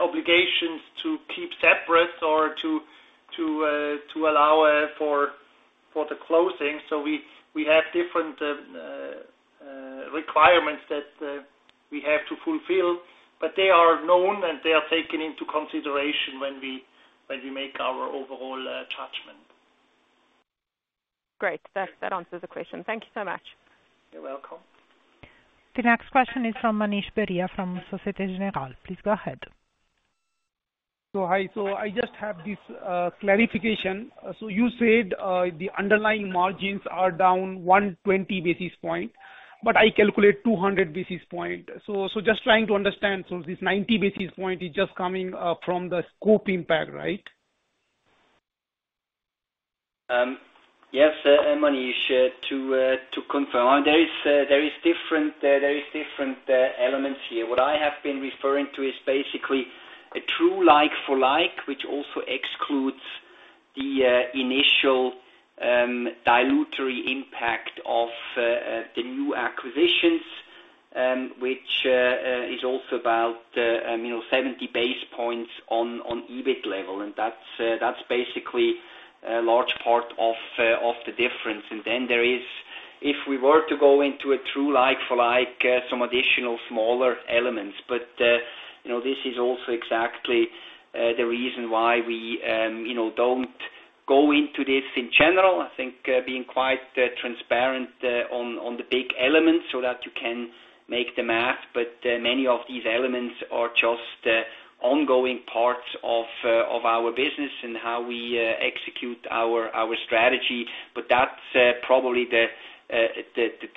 obligations to keep separate or to allow for the closing. We have different requirements that we have to fulfill, but they are known and they are taken into consideration when we make our overall judgment. Great. That answers the question. Thank you so much. You're welcome. The next question is from Manish Beria from Société Générale. Please go ahead. Hi. I just have this clarification. You said the underlying margins are down 120 basis points, but I calculate 200 basis points. Just trying to understand. This 90 basis points is just coming from the scope impact, right? Yes, Manish, to confirm. There are different elements here. What I have been referring to is basically a true like for like, which also excludes the initial dilutive impact of the new acquisitions, which is also about, you know, 70 basis points on EBIT level. That's basically a large part of the difference. Then there is, if we were to go into a true like for like, some additional smaller elements. You know, this is also exactly the reason why we don't go into this in general. I think being quite transparent on the big elements so that you can make the math. Many of these elements are just ongoing parts of our business and how we execute our strategy. That's probably the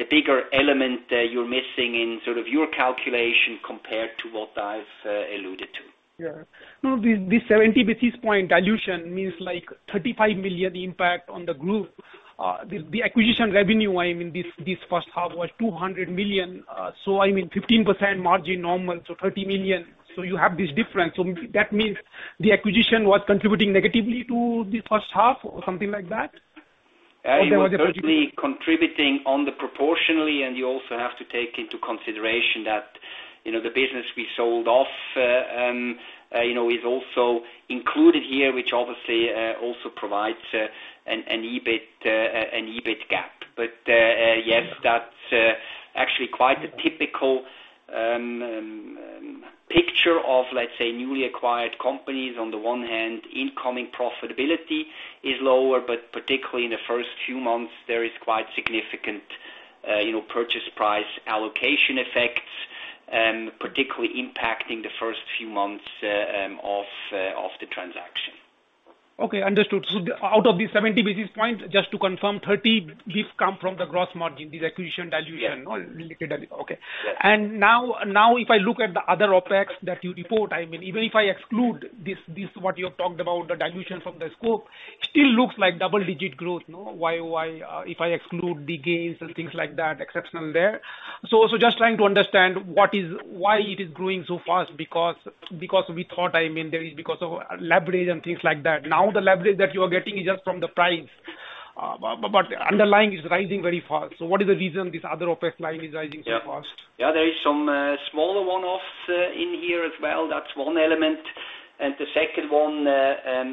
bigger element that you're missing in sort of your calculation compared to what I've alluded to. Yeah. No, this 70 basis point dilution means like 35 million impact on the group. The acquisition revenue, I mean, this first half was 200 million. So I mean 15% margin normal, so 30 million. You have this difference. That means the acquisition was contributing negatively to the first half or something like that? Yeah. You're certainly contributing on the proportionally, and you also have to take into consideration that, you know, the business we sold off, you know, is also included here, which obviously also provides an EBIT gap. Yes, that's actually quite a typical picture of, let's say, newly acquired companies. On the one hand, incoming profitability is lower, but particularly in the first few months, there is quite significant purchase price allocation effects, particularly impacting the first few months of the transaction. Okay, understood. Out of these 70 basis points, just to confirm, 30, this come from the gross margin, this acquisition dilution. Yes. Liquidity. Okay. Yes. Now if I look at the other OpEx that you report, I mean, even if I exclude this what you have talked about, the dilution from the scope, it still looks like double-digit growth, no? Why, if I exclude the gains and things like that, exceptional there. Just trying to understand why it is growing so fast because we thought, I mean, because of leverage and things like that. Now the leverage that you are getting is just from the price. Underlying is rising very fast. What is the reason this other OpEx line is rising so fast? Yeah. Yeah, there is some smaller one-offs in here as well. That's one element. The second one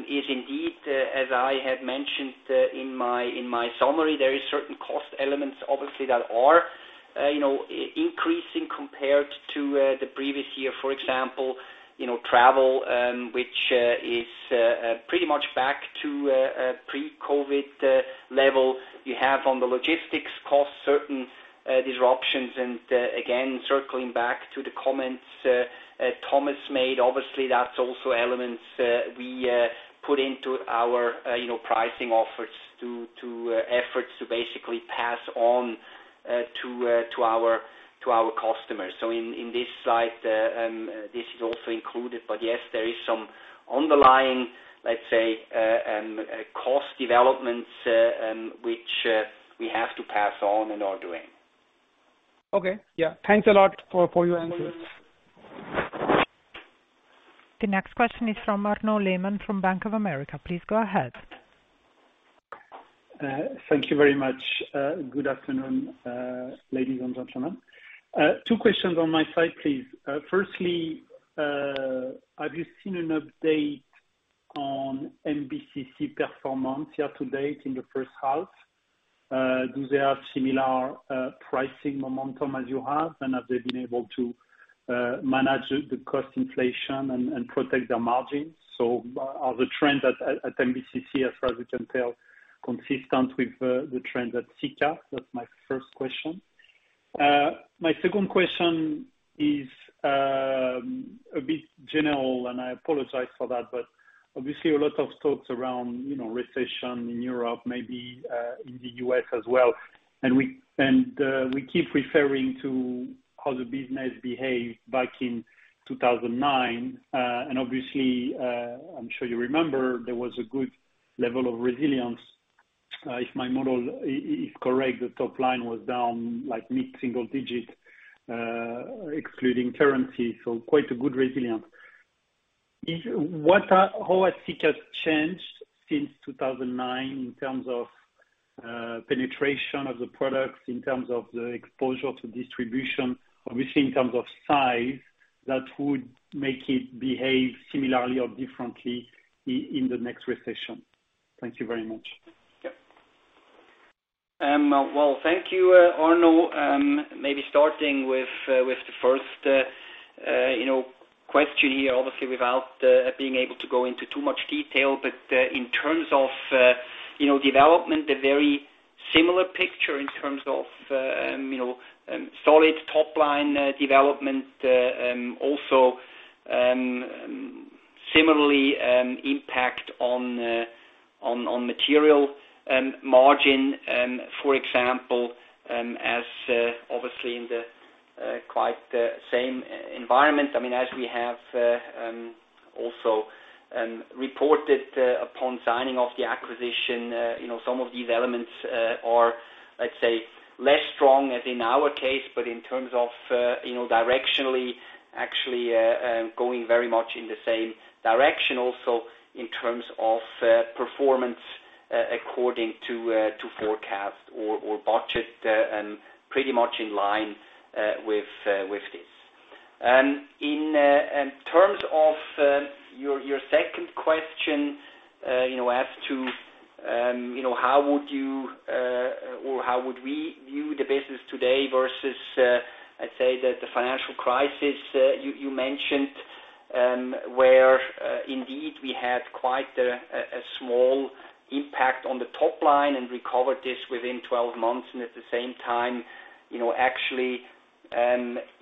is indeed as I had mentioned in my summary, there is certain cost elements obviously that are you know increasing compared to the previous year. For example, you know, travel which is pretty much back to pre-COVID level. You have on the logistics costs certain disruptions. Again, circling back to the comments Thomas made, obviously that's also elements we put into our you know pricing offers to efforts to basically pass on to our customers. In this slide, this is also included. Yes, there is some underlying, let's say, cost developments, which we have to pass on and are doing. Okay. Yeah. Thanks a lot for your answers. The next question is from Arnaud Lehmann from Bank of America. Please go ahead. Thank you very much. Good afternoon, ladies and gentlemen. Two questions on my side, please. Firstly, have you seen an update on MBCC performance year to date in the first half? Do they have similar pricing momentum as you have? Have they been able to manage the cost inflation and protect their margins? Are the trends at MBCC, as far as you can tell, consistent with the trends at Sika? That's my first question. My second question is a bit general, and I apologize for that. Obviously a lot of talks around, you know, recession in Europe, maybe in the U.S. as well. We keep referring to how the business behaved back in 2009. Obviously, I'm sure you remember there was a good level of resilience. If my model is correct, the top line was down like mid-single digit, excluding currency, so quite a good resilience. What, how has Sika changed since 2009 in terms of, penetration of the products, in terms of the exposure to distribution, obviously in terms of size that would make it behave similarly or differently in the next recession? Thank you very much. Yes. Well, thank you, Arno. Maybe starting with the first, you know, question here, obviously without being able to go into too much detail, but in terms of, you know, development, a very similar picture in terms of, you know, solid top line development. Also, similarly, impact on material margin, for example, as obviously in the quite the same environment. I mean, as we have also reported upon signing of the acquisition, you know, some of these elements are, let's say, less strong as in our case. In terms of, you know, directionally actually going very much in the same direction also in terms of performance according to forecast or budget, pretty much in line with this. In terms of your second question, you know, as to, you know, how would you or how would we view the business today versus, I'd say the financial crisis you mentioned. Where indeed we had quite a small impact on the top line and recovered this within 12 months and at the same time, you know, actually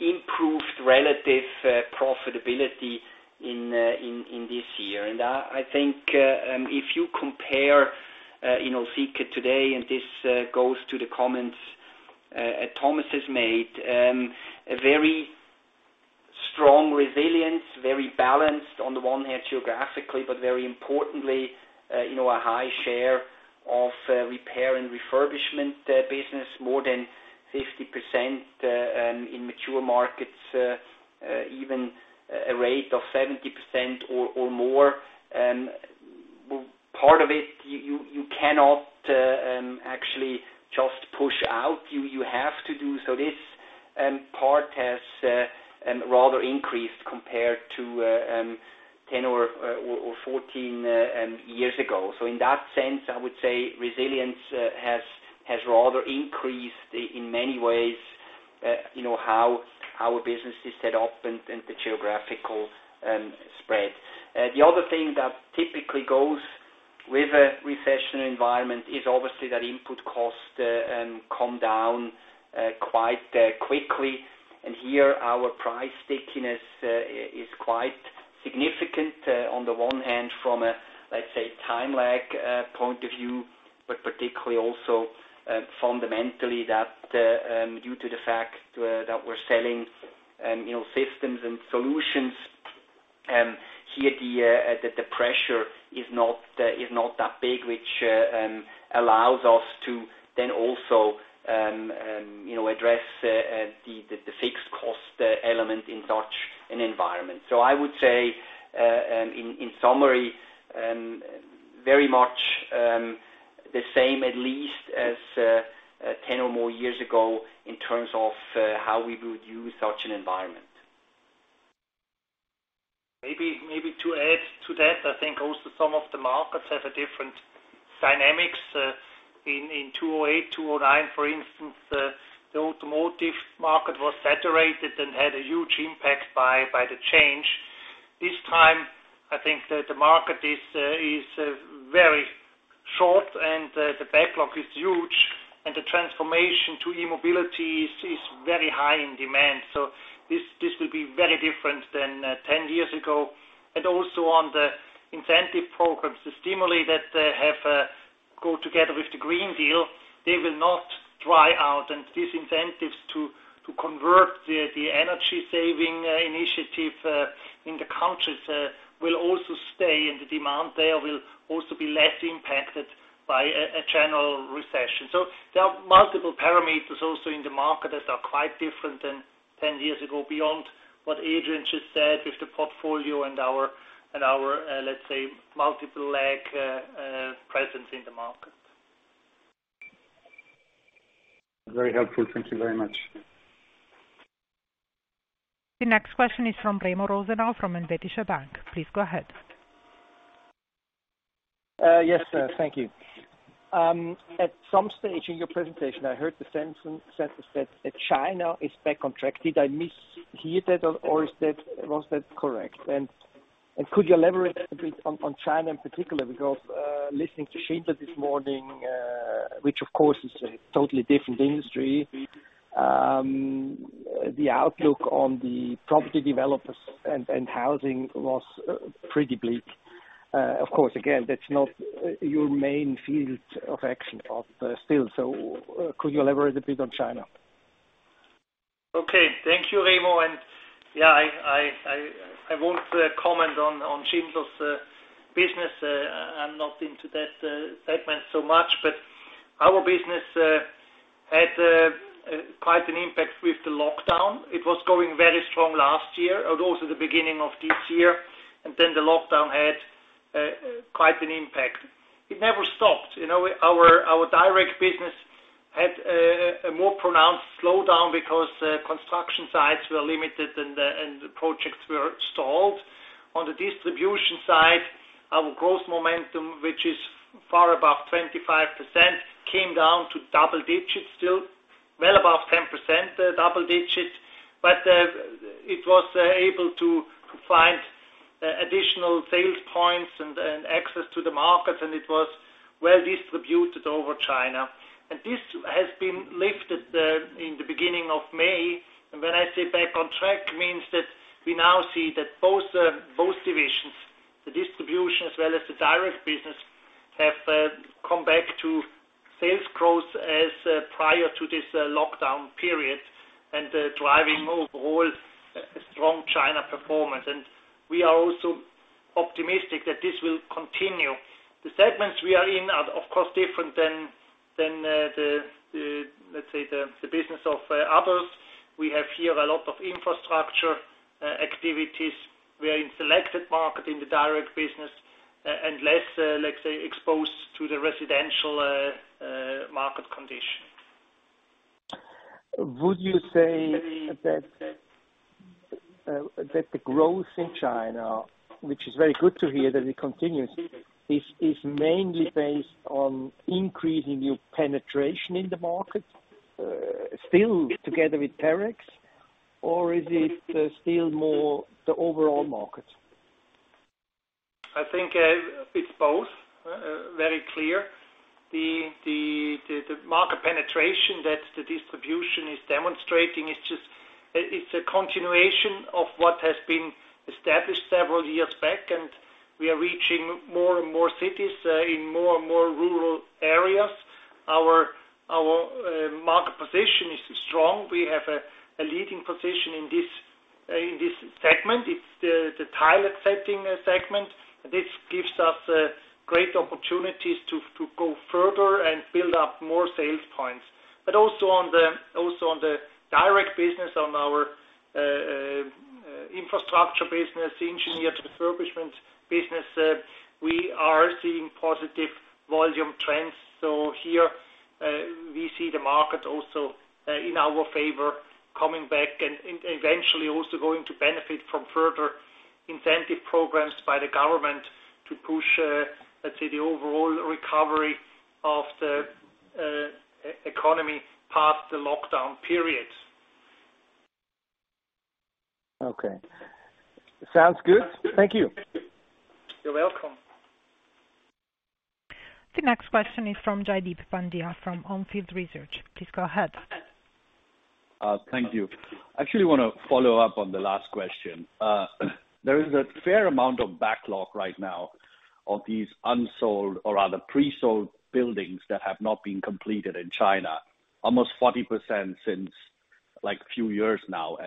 improved relative profitability in this year. I think if you compare, you know, Sika today, and this goes to the comments Thomas has made, a very strong resilience, very balanced on the one hand geographically, but very importantly, you know, a high share of repair and refurbishment business, more than 50% in mature markets, even a rate of 70% or more. What part of it you cannot actually just push out. You have to do. This part has rather increased compared to 10 or 14 years ago. In that sense, I would say resilience has rather increased in many ways, you know, how our business is set up and the geographical spread. The other thing that typically goes with a recession environment is obviously that input costs come down quite quickly. Here our price stickiness is quite significant on the one hand from a let's say time lag point of view, but particularly also fundamentally that due to the fact that we're selling you know systems and solutions here the pressure is not that big, which allows us to then also you know address the fixed cost element in such an environment. I would say in summary very much the same at least as 10 or more years ago in terms of how we would view such an environment. Maybe to add to that, I think also some of the markets have a different dynamics. In 2008, 2009, for instance, the automotive market was saturated and had a huge impact by the change. This time, I think the market is very short and the backlog is huge and the transformation to e-mobility is very high in demand. This will be very different than 10 years ago. Also on the incentive programs, the stimuli that have to go together with the Green Deal, they will not dry out. These incentives to convert the energy saving initiative in the countries will also stay and the demand there will also be less impacted by a general recession. There are multiple parameters also in the market that are quite different than 10 years ago beyond what Adrian just said with the portfolio and our let's say multiple leg presence in the market. Very helpful. Thank you very much. The next question is from Remo Rosenau, from Deutsche Bank. Please go ahead. Yes, thank you. At some stage in your presentation, I heard the sentence that China is back on track. Did I mishear that or was that correct? Could you elaborate a bit on China in particular? Because listening to Schindler this morning, which of course is a totally different industry, the outlook on the property developers and housing was pretty bleak. Of course, again, that's not your main field of action, still. Could you elaborate a bit on China? Okay. Thank you, Remo. Yeah, I won't comment on Schindler's business. I'm not into that segment so much, but our business had quite an impact with the lockdown. It was going very strong last year and also the beginning of this year. Then the lockdown had quite an impact. It never stopped. Our direct business had a more pronounced slowdown because construction sites were limited and the projects were stalled. On the distribution side, our growth momentum, which is far above 25%, came down to double digits, still well above 10%, double digits. It was able to find additional sales points and access to the market, and it was well distributed over China. This has been lifted in the beginning of May. When I say back on track, means that we now see that both divisions, the distribution as well as the direct business, have come back to sales growth as prior to this lockdown period and driving overall a strong China performance. We are also optimistic that this will continue. The segments we are in are of course different than the, let's say, the business of others. We have here a lot of infrastructure activities. We are in selected market in the direct business and less, let's say, exposed to the residential market condition. Would you say that the growth in China, which is very good to hear that it continues, is mainly based on increasing your penetration in the market, still together with Terex, or is it still more the overall market? I think it's both very clear. The market penetration that the distribution is demonstrating is just it's a continuation of what has been established several years back, and we are reaching more and more cities in more and more rural areas. Our market position is strong. We have a leading position in this segment. It's the tile setting segment. This gives us great opportunities to go further and build up more sales points. Also on the direct business, on our infrastructure business, engineered refurbishments business, we are seeing positive volume trends. Here, we see the market also in our favor coming back and eventually also going to benefit from further incentive programs by the government to push, let's say, the overall recovery of the economy past the lockdown period. Okay. Sounds good. Thank you. You're welcome. The next question is from Jaideep Pandya from On Field Investment Research. Please go ahead. Thank you. I actually want to follow up on the last question. There is a fair amount of backlog right now of these unsold or rather pre-sold buildings that have not been completed in China, almost 40% since, like, few years now.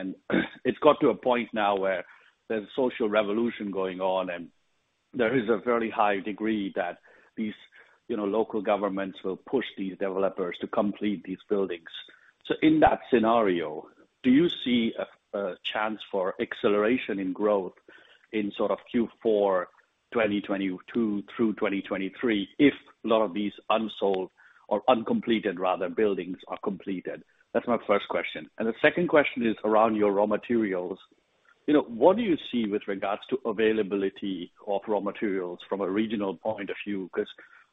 It's got to a point now where there's social revolution going on, and there is a very high degree that these, you know, local governments will push these developers to complete these buildings. In that scenario, do you see a chance for acceleration in growth in sort of Q4, 2022 through 2023 if a lot of these unsold or uncompleted rather buildings are completed? That's my first question. The second question is around your raw materials. You know, what do you see with regards to availability of raw materials from a regional point of view? 'Cause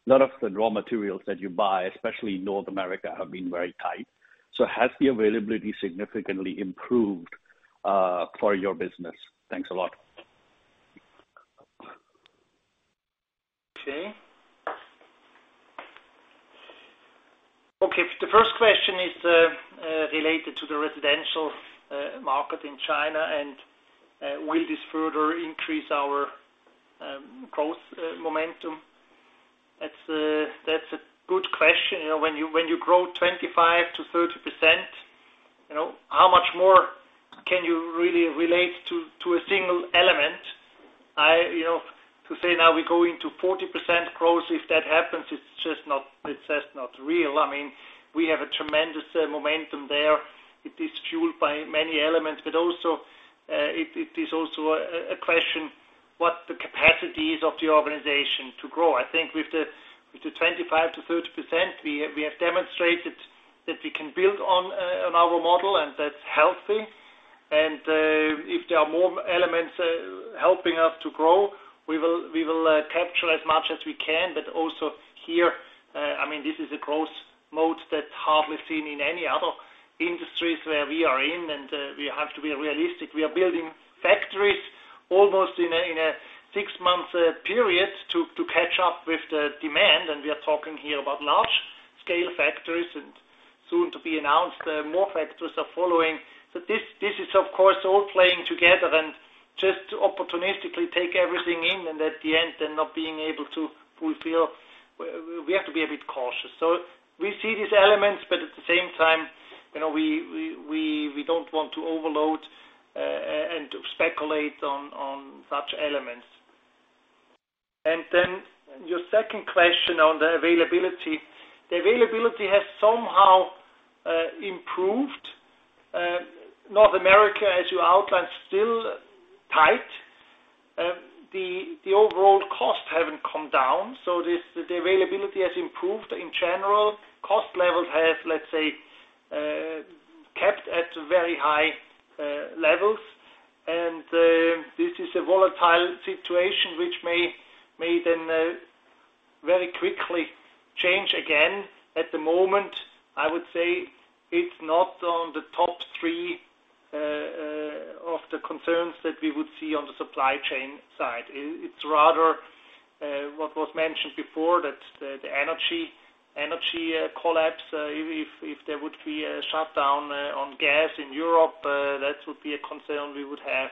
a lot of the raw materials that you buy, especially North America, have been very tight. Has the availability significantly improved for your business? Thanks a lot. Okay. The first question is related to the residential market in China, and will this further increase our growth momentum? That's a good question. You know, when you grow 25%-30%, you know, how much more can you really relate to a single element? You know, to say now we go into 40% growth, if that happens, it's just not real. I mean, we have a tremendous momentum there. It is fueled by many elements, but also it is also a question what the capacity is of the organization to grow. I think with the 25%-30%, we have demonstrated that we can build on our model, and that's healthy. If there are more elements helping us to grow, we will capture as much as we can. Also here, I mean, this is a growth mode that's hardly seen in any other industries where we are in, and we have to be realistic. We are building factories almost in a six-month period to catch up with the demand, and we are talking here about large-scale factories and soon to be announced more factories are following. This is, of course, all playing together and just to opportunistically take everything in and at the end, and not being able to fulfill, we have to be a bit cautious. We see these elements, but at the same time, you know, we don't want to overload and speculate on such elements. Your second question on the availability. The availability has somehow improved. North America, as you outlined, still tight. The overall costs haven't come down, so the availability has improved in general. Cost level has, let's say, kept at very high levels. This is a volatile situation which may then very quickly change again. At the moment, I would say it's not on the top three of the concerns that we would see on the supply chain side. It's rather what was mentioned before, that the energy collapse, if there would be a shutdown on gas in Europe, that would be a concern we would have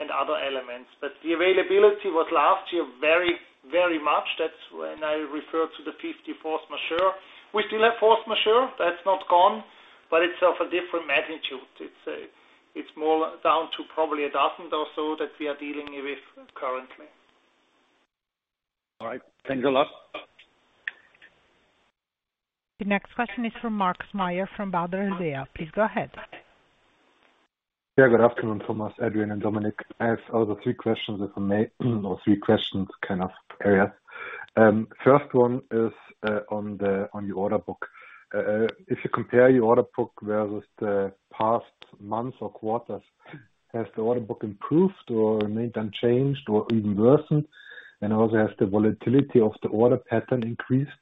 and other elements. But the availability was last year very much. That's when I referred to the 50 force majeure. We still have force majeure. That's not gone, but it's of a different magnitude. It's more down to probably a dozen or so that we are dealing with currently. All right. Thanks a lot. The next question is from Markus Mayer from Baader Helvea. Please go ahead. Yeah, good afternoon, Thomas, Adrian, and Dominik. I have three questions, if I may, or three questions kind of area. First one is on your order book. If you compare your order book versus the past months or quarters, has the order book improved or remained unchanged or even worsened? Also, has the volatility of the order pattern increased?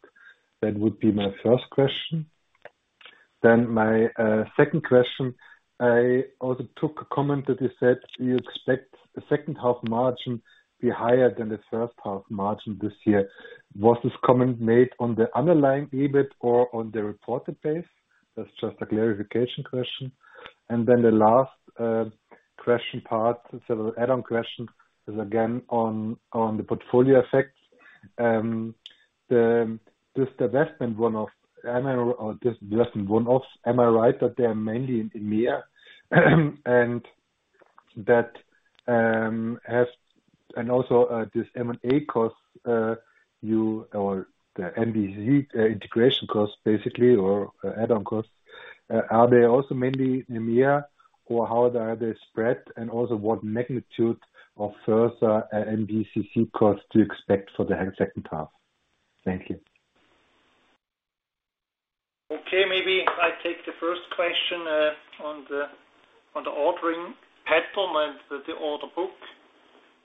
That would be my first question. My second question, I took a comment that you said you expect the second half margin be higher than the first half margin this year. Was this comment made on the underlying EBIT or on the reported base? That's just a clarification question. The last question part, it's an add-on question, is again on the portfolio effect. This divestment one-offs, am I right that they are mainly in EMEA? This M&A cost, your or the MBCC integration cost basically or add-on costs, are they also mainly in EMEA, or how are they spread, and also what magnitude of further MBCC costs to expect for the second half? Thank you. Okay, maybe I take the first question on the ordering pattern and the order book.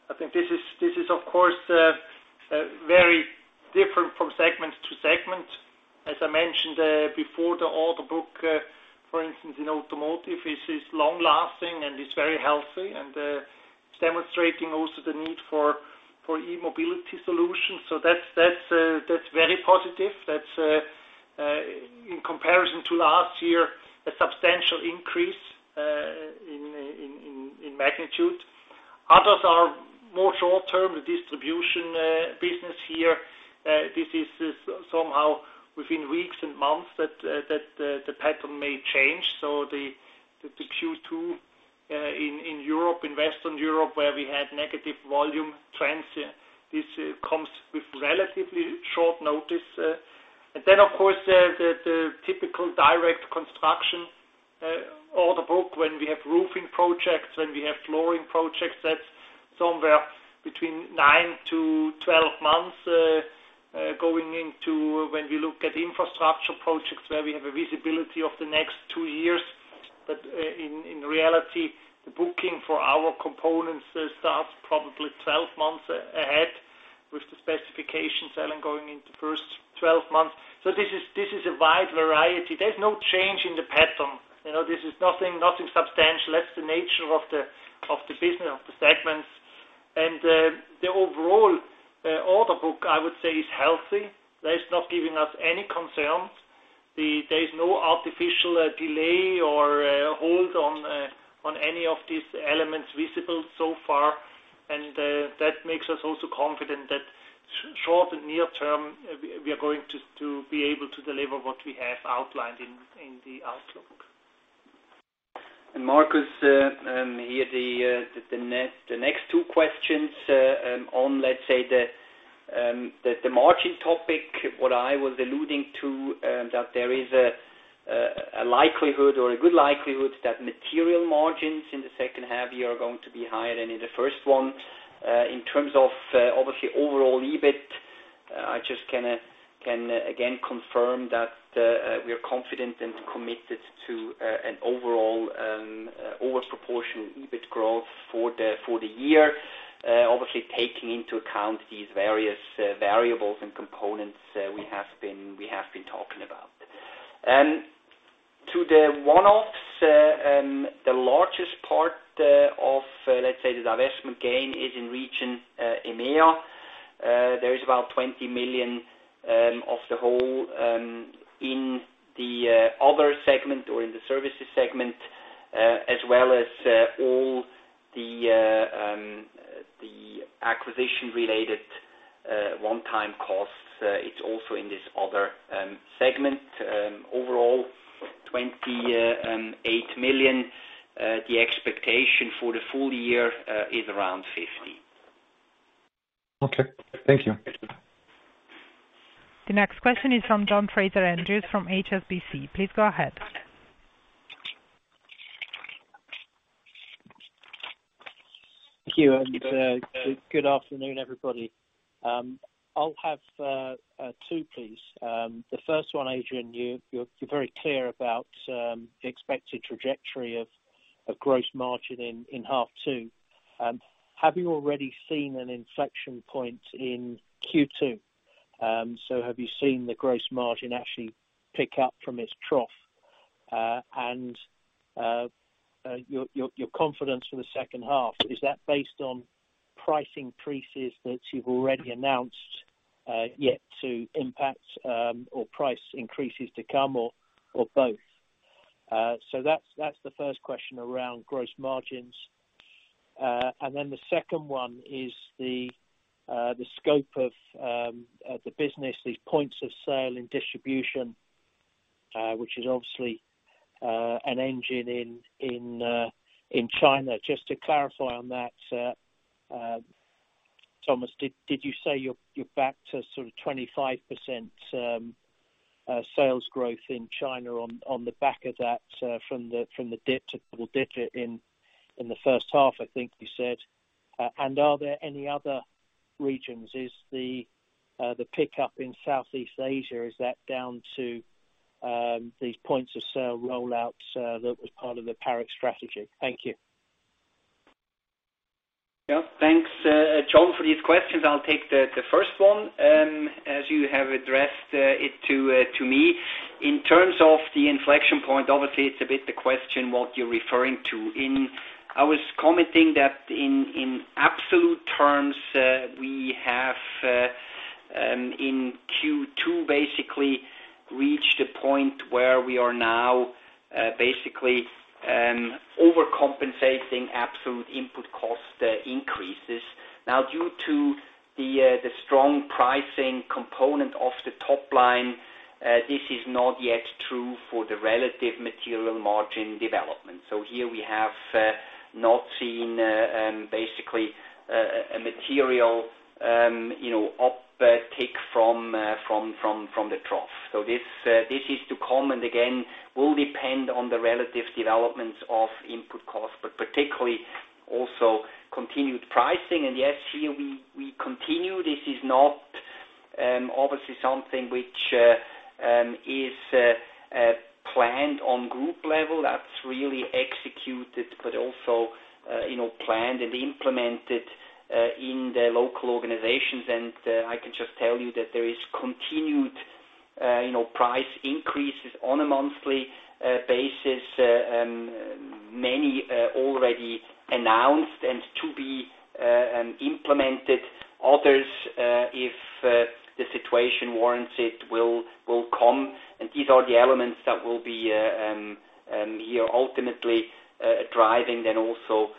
I think this is of course very different from segment to segment. As I mentioned before, the order book for instance in automotive is long-lasting and is very healthy and is demonstrating also the need for e-mobility solutions. That's very positive. That's in comparison to last year a substantial increase in magnitude. Others are more short-term, the distribution business here. This is somehow within weeks and months that the pattern may change. The Q2 in Europe, in Western Europe, where we had negative volume trends, this comes with relatively short notice. And then of course, the typical direct construction order book, when we have roofing projects, when we have flooring projects, that's somewhere between 9-12 months, going into when we look at infrastructure projects where we have a visibility of the next two years. In reality, the booking for our components starts probably 12 months ahead with the specifications then going into first 12 months. This is a wide variety. There's no change in the pattern. You know, this is nothing substantial. That's the nature of the business, of the segments. The overall order book, I would say, is healthy. That is not giving us any concerns. There is no artificial delay or hold on any of these elements visible so far. That makes us also confident that short and near term, we are going to be able to deliver what we have outlined in the outlook. Marcus, here the next two questions on, let's say, the margin topic. What I was alluding to, that there is a likelihood or a good likelihood that material margins in the second half year are going to be higher than in the first one. In terms of obviously overall EBIT, I just can again confirm that we are confident and committed to an overall over proportion EBIT growth for the year. Obviously taking into account these various variables and components we have been talking about. To the one-offs, the largest part of, let's say, the divestment gain is in region EMEA. There is about 20 million of the whole in the other segment or in the services segment as well as all the acquisition-related one-time costs. It's also in this other segment overall 28 million. The expectation for the full year is around 50 million. Okay. Thank you. The next question is from John Fraser-Andrews from HSBC. Please go ahead. Thank you. Good afternoon, everybody. I'll have two, please. The first one, Adrian, you're very clear about the expected trajectory of gross margin in half two. Have you already seen an inflection point in Q2? Have you seen the gross margin actually pick up from its trough? Your confidence for the second half, is that based on pricing increases that you've already announced yet to impact, or price increases to come or both? That's the first question around gross margins. The second one is the scope of the business, these points of sale and distribution, which is obviously an engine in China. Just to clarify on that, Thomas, did you say you're back to sort of 25% sales growth in China on the back of that from the dip to double-digit in the first half, I think you said. Are there any other regions? Is the pickup in Southeast Asia down to these points of sale rollouts that was part of the Parex strategy? Thank you. Yeah. Thanks, John, for these questions. I'll take the first one as you have addressed it to me. In terms of the inflection point, obviously it's a bit the question what you're referring to. I was commenting that in absolute terms, we have in Q2 basically reached a point where we are now basically overcompensating absolute input cost increases. Now, due to the strong pricing component of the top line, this is not yet true for the relative material margin development. Here we have not seen basically a material you know uptick from the trough. This is to come, and again, will depend on the relative developments of input costs, but particularly also continued pricing. Yes, here we continue. This is not obviously something which is planned on group level. That's really executed, but also, you know, planned and implemented in the local organizations. I can just tell you that there is continued, you know, price increases on a monthly basis. Many already announced and to be implemented. Others, if the situation warrants it, will come. These are the elements that will be here ultimately driving then also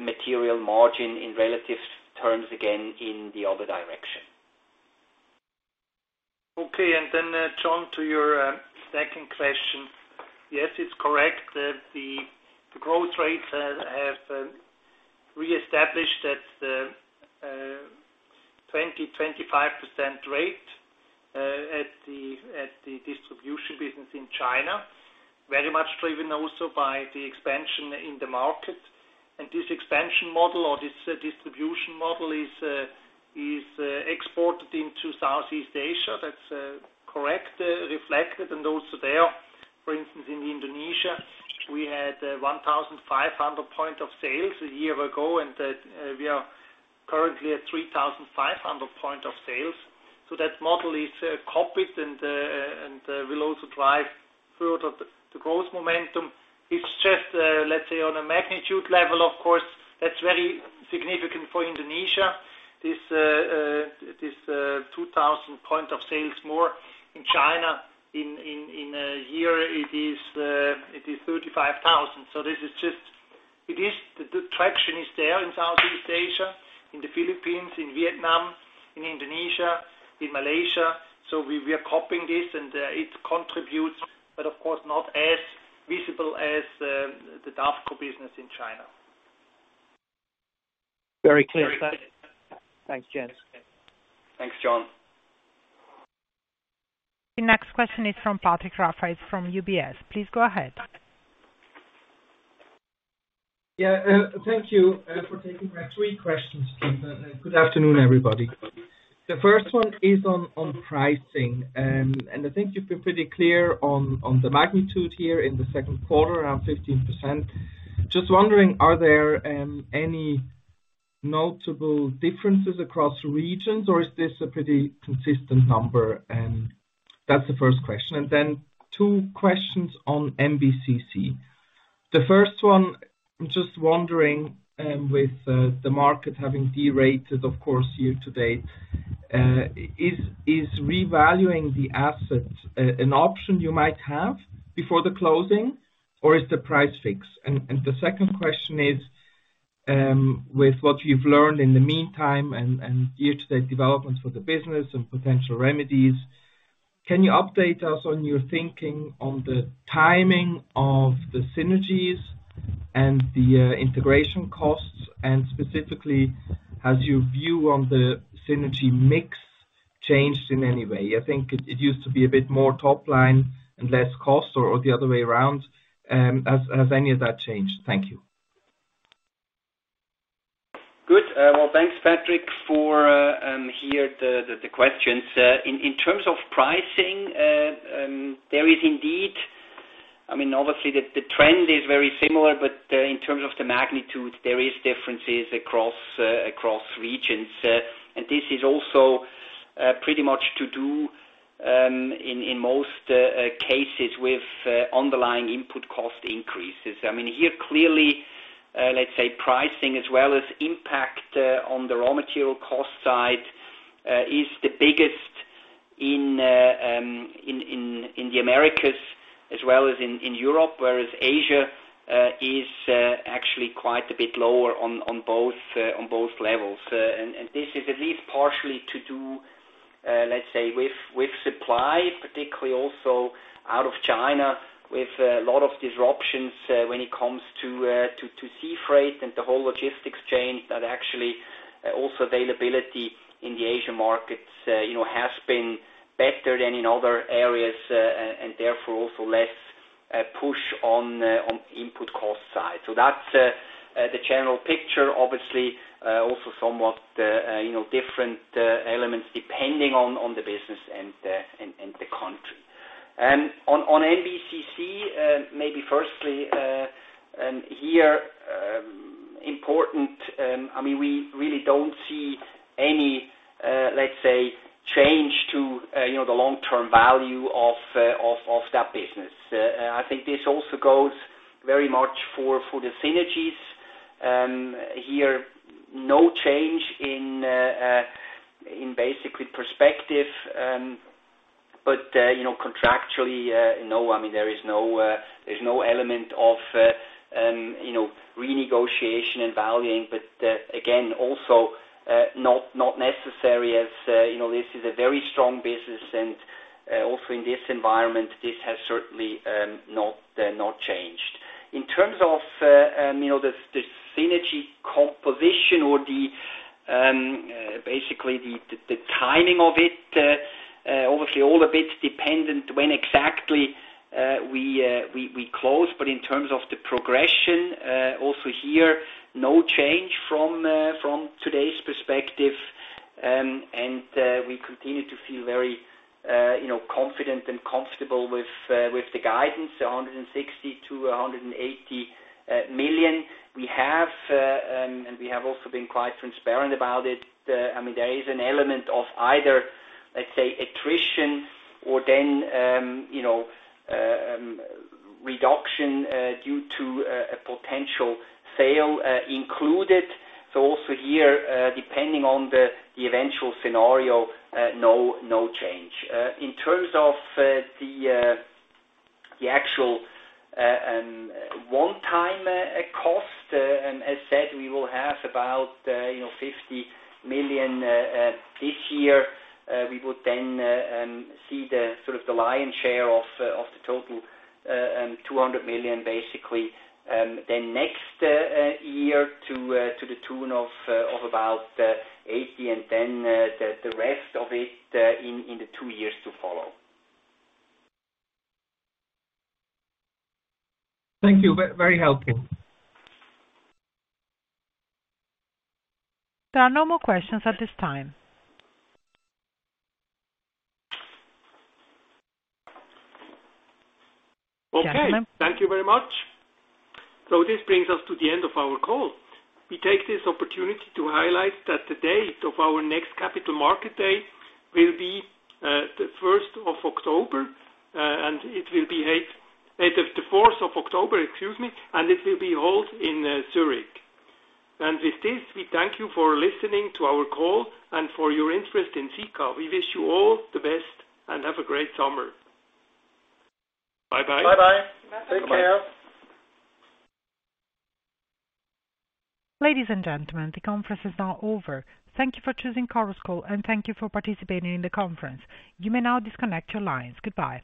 material margin in relative terms, again, in the other direction. Okay. John Fraser-Andrews, to your second question. Yes, it's correct that the growth rates have reestablished at a 25% rate at the distribution business in China, very much driven also by the expansion in the market. This expansion model or this distribution model is exported into Southeast Asia. That's correct, reflected. Also there, for instance, in Indonesia, we had 1,500 points of sale a year ago, and we are currently at 3,500 points of sale. That model is copied and will also drive further the growth momentum. It's just, let's say on a magnitude level, of course, that's very significant for Indonesia. This 2,000 points of sale more in China in a year, it is 35,000. This is just- The traction is there in Southeast Asia, in the Philippines, in Vietnam, in Indonesia, in Malaysia. We are copying this and it contributes, but of course not as visible as the Davco business in China. Very clear. Thanks, Jan Jenisch. Thanks, John. The next question is from Patrick Rafaisz from UBS. Please go ahead. Yeah, thank you for taking my three questions, Jan Jenisch. Good afternoon, everybody. The first one is on pricing. I think you've been pretty clear on the magnitude here in the second quarter, around 15%. Just wondering, are there any notable differences across regions, or is this a pretty consistent number? That's the first question. Then two questions on MBCC. The first one, I'm just wondering, with the market having derated, of course, year-to-date, is revaluing the assets an option you might have before the closing, or is the price fixed? The second question is, with what you've learned in the meantime and year-to-date developments for the business and potential remedies, can you update us on your thinking on the timing of the synergies and the integration costs? Specifically, has your view on the synergy mix changed in any way? I think it used to be a bit more top line and less cost or the other way around. Has any of that changed? Thank you. Good. Well, thanks, Patrick, for the questions. In terms of pricing, there is indeed. I mean, obviously the trend is very similar, but in terms of the magnitude, there is differences across regions. This is also pretty much to do in most cases with underlying input cost increases. I mean, here clearly, let's say pricing as well as impact on the raw material cost side is the biggest in the Americas as well as in Europe, whereas Asia is actually quite a bit lower on both levels. This is at least partially to do, let's say, with supply, particularly also out of China, with a lot of disruptions, when it comes to sea freight and the whole logistics chain that actually, also availability in the Asia markets, you know, has been better than in other areas, and therefore also less, push on input cost side. That's the general picture. Obviously, also somewhat, you know, different, elements depending on the business and the country. On MBCC, maybe firstly, here important, I mean, we really don't see any, let's say, change to, you know, the long-term value of that business. I think this also goes very much for the synergies. Here, no change in basically perspective. You know, contractually, I mean, there's no element of, you know, renegotiation and valuing, but again, also not necessary as, you know, this is a very strong business and also in this environment, this has certainly not changed. In terms of, you know, the synergy composition or basically the timing of it, obviously all a bit dependent when exactly we close. In terms of the progression, also here, no change from today's perspective. We continue to feel very, you know, confident and comfortable with the guidance, 160 million-180 million. We have also been quite transparent about it. I mean, there is an element of either, let's say, attrition or then, you know, reduction due to a potential sale included. Also here, depending on the eventual scenario, no change. In terms of the actual one-time cost, and as said, we will have about, you know, 50 million this year. We would see the lion's share of the total 200 million basically next year to the tune of about 80 million and then the rest of it in the two years to follow. Thank you. Very helpful. There are no more questions at this time. Gentlemen. Okay. Thank you very much. This brings us to the end of our call. We take this opportunity to highlight that the date of our next Capital Market Date will be the fourth of October, excuse me, and it will be held in Zurich. With this, we thank you for listening to our call and for your interest in Sika. We wish you all the best and have a great summer. Bye-bye. Bye-bye. Bye-bye. Take care. Ladies and gentlemen, the conference is now over. Thank you for choosing Chorus Call, and thank you for participating in the conference. You may now disconnect your lines. Goodbye.